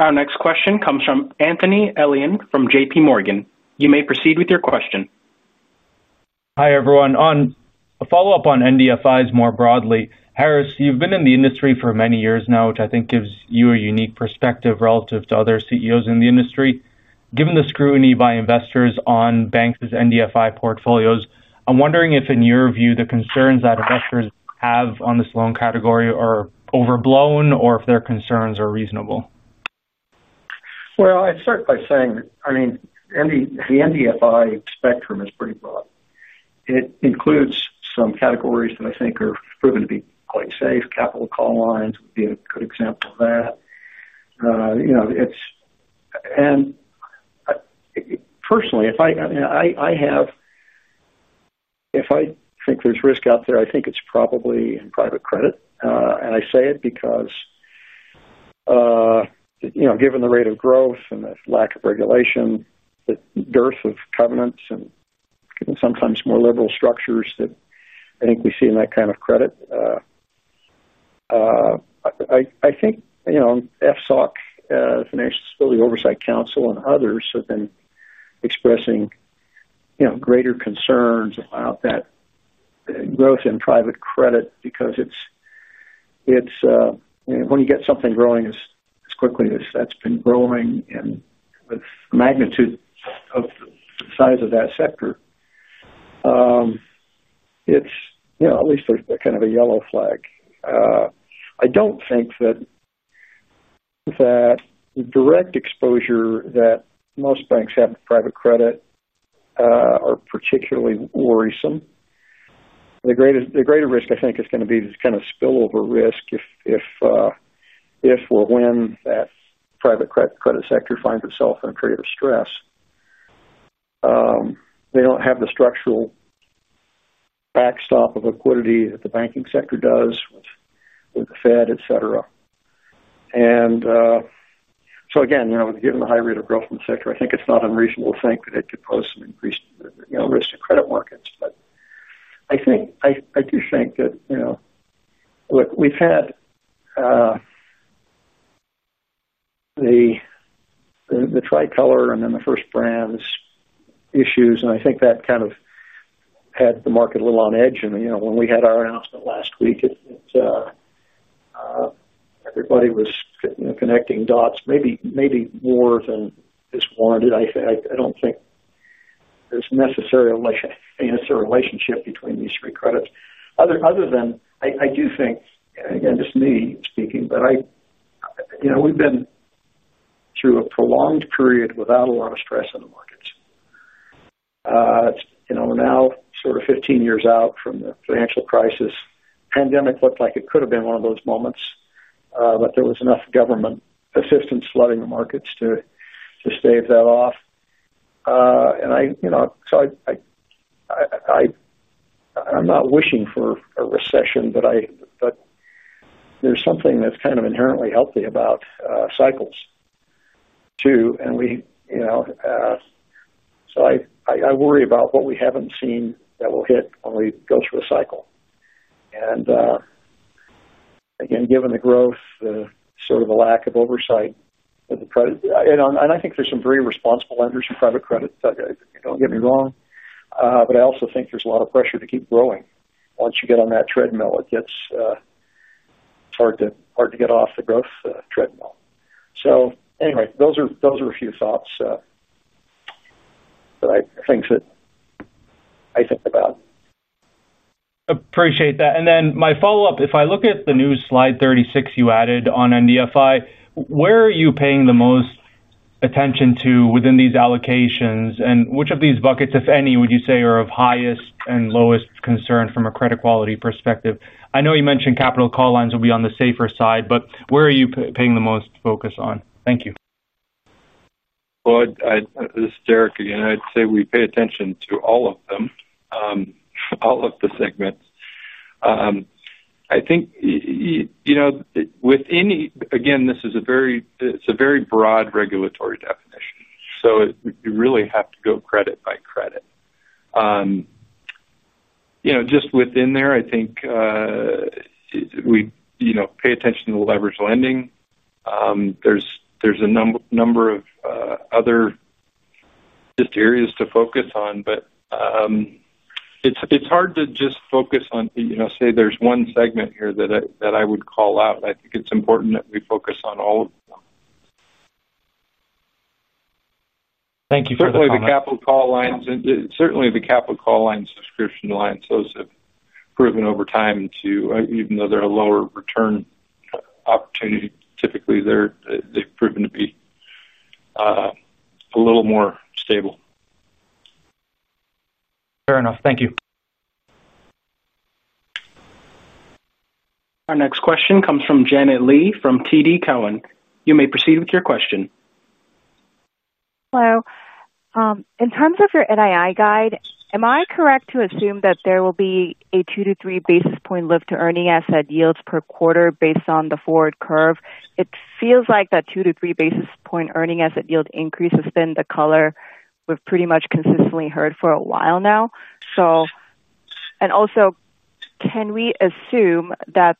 Speaker 1: Our next question comes from Anthony Elian from JPMorgan. You may proceed with your question.
Speaker 17: Hi, everyone. On a follow-up on NDFIs more broadly, Harris, you've been in the industry for many years now, which I think gives you a unique perspective relative to other CEOs in the industry. Given the scrutiny by investors on banks' NDFI portfolios, I'm wondering if, in your view, the concerns that investors have on this loan category are overblown or if their concerns are reasonable.
Speaker 3: I'd start by saying the NDFI spectrum is pretty broad. It includes some categories that I think are proven to be quite safe. Capital call lines would be a good example of that. Personally, if I think there's risk out there, I think it's probably in private credit. I say it because, given the rate of growth and the lack of regulation, the dearth of covenants and even sometimes more liberal structures that I think we see in that kind of credit. FSOC, Financial Stability Oversight Council, and others have been expressing greater concerns about that growth in private credit because when you get something growing as quickly as that's been growing and with the magnitude of the size of that sector, it's at least a kind of a yellow flag. I don't think that the direct exposure that most banks have to private credit are particularly worrisome. The greater risk, I think, is going to be this kind of spillover risk if or when that private credit sector finds itself in a period of stress. They don't have the structural backstop of liquidity that the banking sector does with the Fed, etc. Again, given the high rate of growth in the sector, I think it's not unreasonable to think that it could pose some increased risk to credit markets. I do think that we've had the Tricolor and then the First Brands issues, and I think that kind of had the market a little on edge. When we had our announcement last week, everybody was connecting dots, maybe more than is warranted. I don't think there's necessarily a relationship between these three credits. Other than I do think, and again, this is me speaking, but we've been through a prolonged period without a lot of stress in the markets. We're now sort of 15 years out from the financial crisis. The pandemic looked like it could have been one of those moments, but there was enough government assistance flooding the markets to stave that off. I'm not wishing for a recession, but there's something that's kind of inherently healthy about cycles too. We worry about what we haven't seen that will hit when we go through a cycle. Again, given the growth, the sort of the lack of oversight of the credit, and I think there's some very responsible lenders in private credit, don't get me wrong, but I also think there's a lot of pressure to keep growing. Once you get on that treadmill, it gets hard to get off the growth treadmill. Those are a few thoughts that I think about.
Speaker 17: Appreciate that. My follow-up, if I look at the new slide 36 you added on NDFI, where are you paying the most attention to within these allocations? Which of these buckets, if any, would you say are of highest and lowest concern from a credit quality perspective? I know you mentioned capital call lines will be on the safer side, but where are you paying the most focus on? Thank you.
Speaker 6: This is Derek again. I'd say we pay attention to all of them, all of the segments. I think, you know, within again, this is a very broad regulatory definition. You really have to go credit by credit. Just within there, I think we pay attention to the leveraged lending. There's a number of other areas to focus on, but it's hard to just focus on, you know, say there's one segment here that I would call out. I think it's important that we focus on all of them.
Speaker 17: Thank you for that.
Speaker 6: Certainly, the capital call lines and the capital call line subscription lines have proven over time to, even though they're a lower return opportunity, typically they've proven to be a little more stable.
Speaker 17: Fair enough. Thank you.
Speaker 1: Our next question comes from Janet Lee from TD Cowen. You may proceed with your question.
Speaker 18: Hello. In terms of your NII guide, am I correct to assume that there will be a 2 to 3 basis point lift to earning asset yields per quarter based on the forward curve? It feels like that 2 to 3 basis point earning asset yield increase has been the color we've pretty much consistently heard for a while now. Also, can we assume that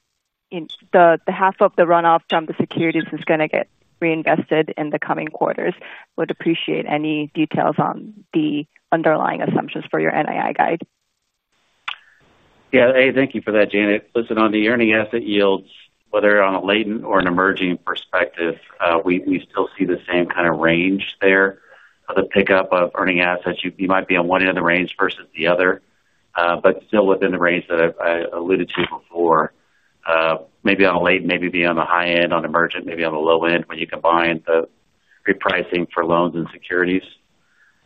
Speaker 18: half of the runoff from the securities is going to get reinvested in the coming quarters? Would appreciate any details on the underlying assumptions for your NII guide.
Speaker 4: Yeah. Hey, thank you for that, Janet. Listen, on the earning asset yields, whether on a latent or an emerging perspective, we still see the same kind of range there of the pickup of earning assets. You might be on one end of the range versus the other, but still within the range that I alluded to before. Maybe on a latent, maybe be on the high end, on emergent, maybe on the low end when you combine the repricing for loans and securities.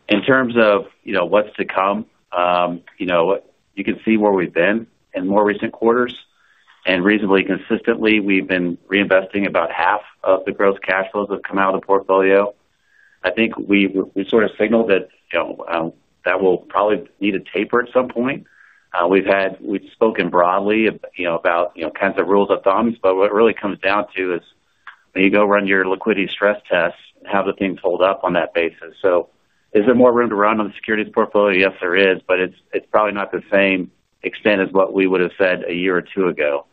Speaker 4: In terms of what's to come, you can see where we've been in more recent quarters. Reasonably consistently, we've been reinvesting about half of the gross cash flows that have come out of the portfolio. I think we sort of signaled that will probably need a taper at some point. We've spoken broadly about kinds of rules of thumb. What it really comes down to is when you go run your liquidity stress tests, how do things hold up on that basis? Is there more room to run on the securities portfolio? Yes, there is, but it's probably not the same extent as what we would have said a year or two ago.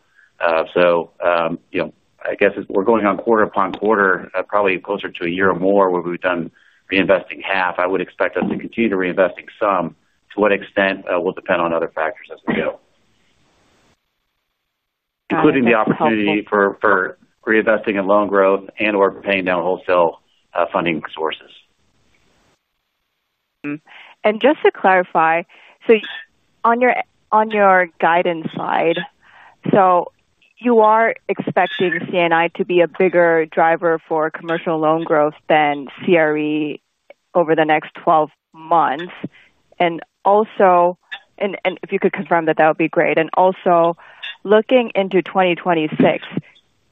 Speaker 4: I guess we're going on quarter upon quarter, probably closer to a year or more where we've done reinvesting half. I would expect us to continue to reinvest in some. To what extent will depend on other factors as we go, including the opportunity for reinvesting in loan growth and/or paying down wholesale funding sources.
Speaker 18: Just to clarify, on your guidance side, you are expecting CNI to be a bigger driver for commercial loan growth than CRE over the next 12 months. If you could confirm that, that would be great. Also, looking into 2026,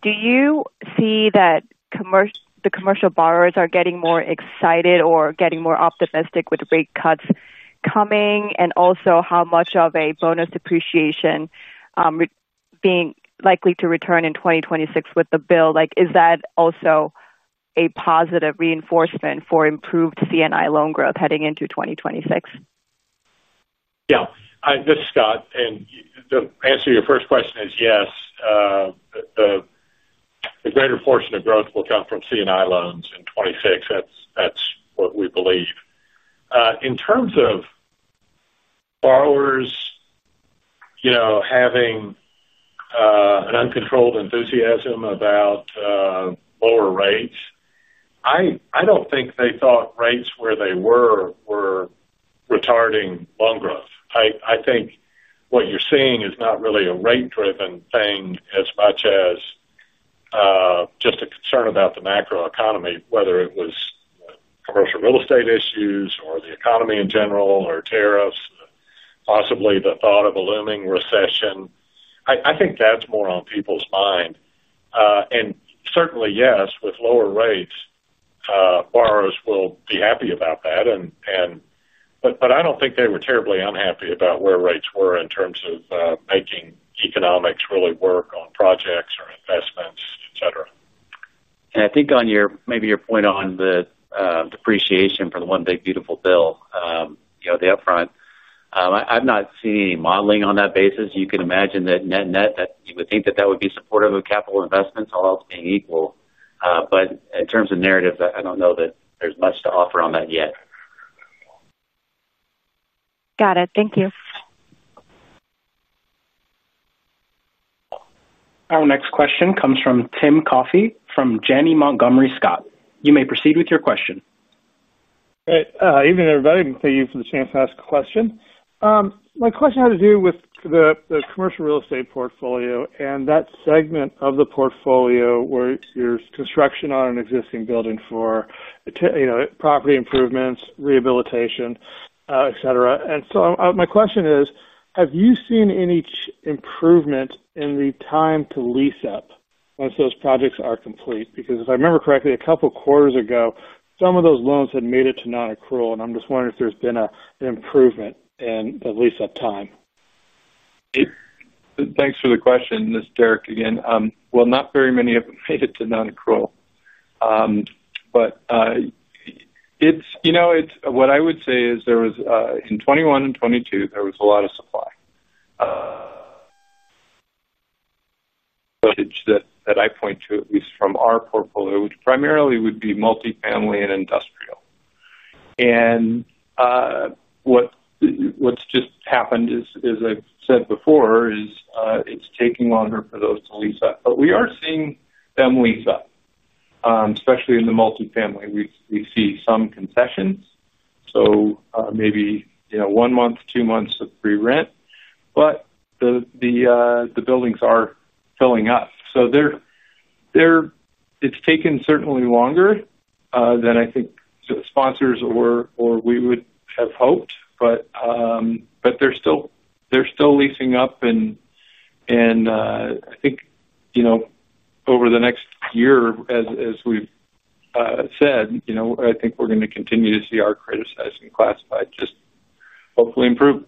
Speaker 18: do you see that the commercial borrowers are getting more excited or getting more optimistic with rate cuts coming? How much of a bonus depreciation being likely to return in 2026 with the bill? Is that also a positive reinforcement for improved CNI loan growth heading into 2026?
Speaker 11: Yeah. This is Scott. The answer to your first question is yes. The greater portion of growth will come from CNI loans in 2026. That's what we believe. In terms of borrowers having an uncontrolled enthusiasm about lower rates, I don't think they thought. Where they were retarding loan growth. I think what you're seeing is not really a rate-driven thing as much as just a concern about the macroeconomy, whether it was commercial real estate issues or the economy in general or tariffs, possibly the thought of a looming recession. I think that's more on people's mind. Certainly, yes, with lower rates, borrowers will be happy about that, but I don't think they were terribly unhappy about where rates were in terms of making economics really work on projects or investments, etc.
Speaker 4: I think on your point on the depreciation for the one big beautiful bill, you know, the upfront, I've not seen any modeling on that basis. You can imagine that net net that you would think that would be supportive of capital investments, all else being equal. In terms of narratives, I don't know that there's much to offer on that yet.
Speaker 18: Got it. Thank you.
Speaker 1: Our next question comes from Tim Coffey from Janney Montgomery Scott. You may proceed with your question.
Speaker 19: Great, evening everybody, and thank you for the chance to ask a question. My question had to do with the commercial real estate portfolio and that segment of the portfolio where you're construction on an existing building for, you know, property improvements, rehabilitation, etc. My question is, have you seen any improvement in the time to lease up once those projects are complete? Because if I remember correctly, a couple of quarters ago, some of those loans had made it to non-accrual, and I'm just wondering if there's been an improvement in the lease-up time.
Speaker 6: Thanks for the question, this is Derek again. Not very many of them made it to non-accrual. What I would say is, in 2021 and 2022, there was a lot of supply. Footage that I point to, at least from our portfolio, which primarily would be multifamily and industrial. What's just happened is, as I've said before, it's taking longer for those to lease up. We are seeing them lease up, especially in the multifamily. We see some concessions, maybe one month, two months of pre-rent, but the buildings are filling up. They're certainly taking longer than I think sponsors or we would have hoped, but they're still leasing up. I think over the next year, as we've said, I think we're going to continue to see our credit size and classified just hopefully improve.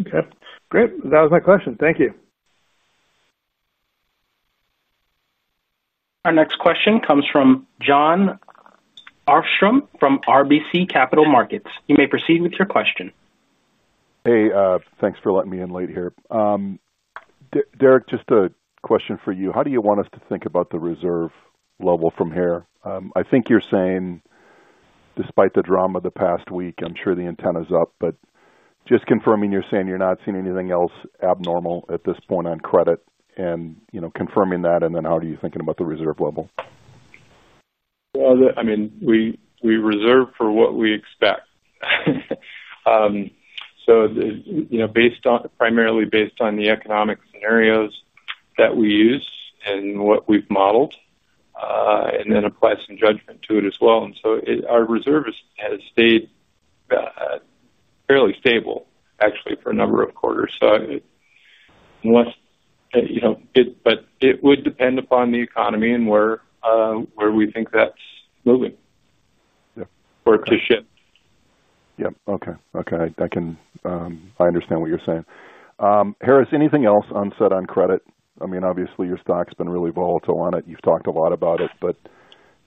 Speaker 19: Okay. Great. That was my question. Thank you.
Speaker 1: Our next question comes from John Arfstrom from RBC Capital Markets. You may proceed with your question.
Speaker 20: Hey, thanks for letting me in late here. Derek, just a question for you. How do you want us to think about the reserve level from here? I think you're saying, despite the drama of the past week, I'm sure the antenna's up, but just confirming you're saying you're not seeing anything else abnormal at this point on credit, you know, confirming that, and then how are you thinking about the reserve level?
Speaker 6: We reserve for what we expect, based primarily on the economic scenarios that we use and what we've modeled, and then apply some judgment to it as well. Our reserve has stayed fairly stable, actually, for a number of quarters. It would depend upon the economy and where we think that's moving. Yeah. Where it's going to shift.
Speaker 20: Okay. I understand what you're saying. Harris, anything else unsaid on credit? I mean, obviously, your stock's been really volatile on it. You've talked a lot about it.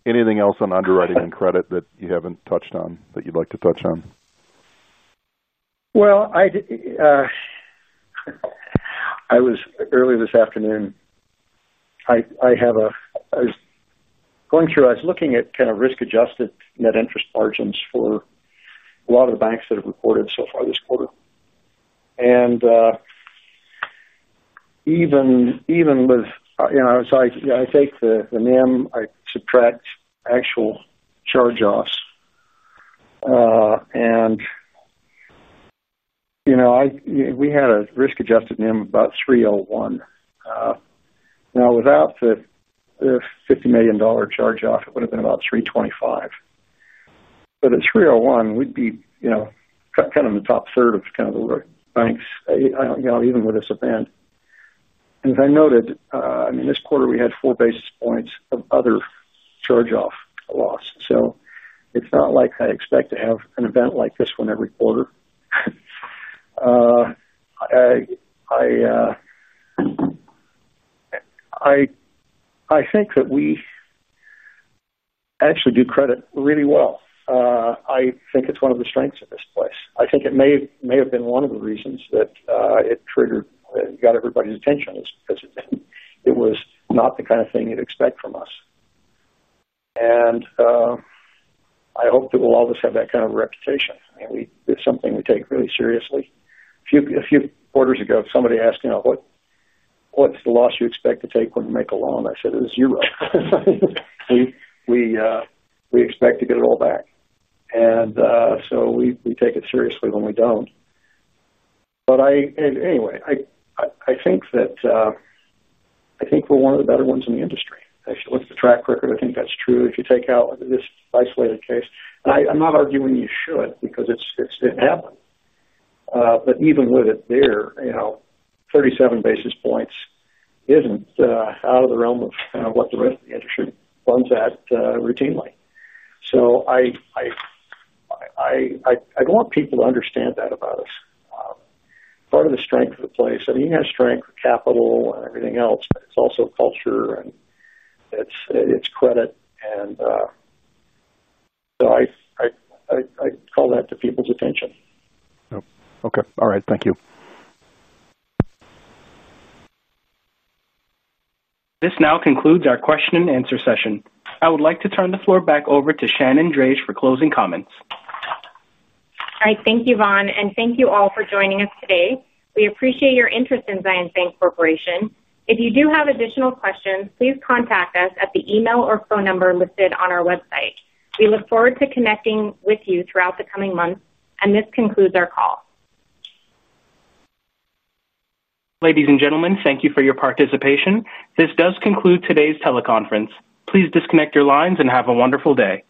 Speaker 20: Anything else on underwriting and credit that you haven't touched on that you'd like to touch on?
Speaker 3: Earlier this afternoon, I was going through, I was looking at kind of risk-adjusted net interest margins for a lot of the banks that have reported so far this quarter. Even with, you know, so I take the NIM, I subtract actual charge-offs. You know, we had a risk-adjusted NIM of about 3.01%. Now, without the $50 million charge-off, it would have been about 3.25%. At 3.01%, we'd be kind of in the top third of the banks, you know, even with this event. As I noted, this quarter, we had four basis points of other charge-off loss. It's not like I expect to have an event like this one every quarter. I think that we actually do credit really well. I think it's one of the strengths of this place. I think it may have been one of the reasons that it triggered, got everybody's attention is because it was not the kind of thing you'd expect from us. I hope that we'll always have that kind of a reputation. It's something we take really seriously. A few quarters ago, somebody asked, you know, what's the loss you expect to take when you make a loan? I said it was zero. We expect to get it all back. We take it seriously when we don't. Anyway, I think that we're one of the better ones in the industry. Actually, with the track record, I think that's true. If you take out this isolated case, and I'm not arguing you should because it happened. Even with it there, 37 basis points isn't out of the realm of what the rest of the industry runs at routinely. I'd want people to understand that about us. Part of the strength of the place, you have strength of capital and everything else, but it's also culture and it's credit. I call that to people's attention.
Speaker 20: Okay. All right. Thank you.
Speaker 1: This now concludes our question-and-answer session. I would like to turn the floor back over to Shannon Drage for closing comments.
Speaker 2: All right. Thank you, Vaughn, and thank you all for joining us today. We appreciate your interest in Zions Bancorporation. If you do have additional questions, please contact us at the email or phone number listed on our website. We look forward to connecting with you throughout the coming months. This concludes our call.
Speaker 1: Ladies and gentlemen, thank you for your participation. This does conclude today's teleconference. Please disconnect your lines and have a wonderful day.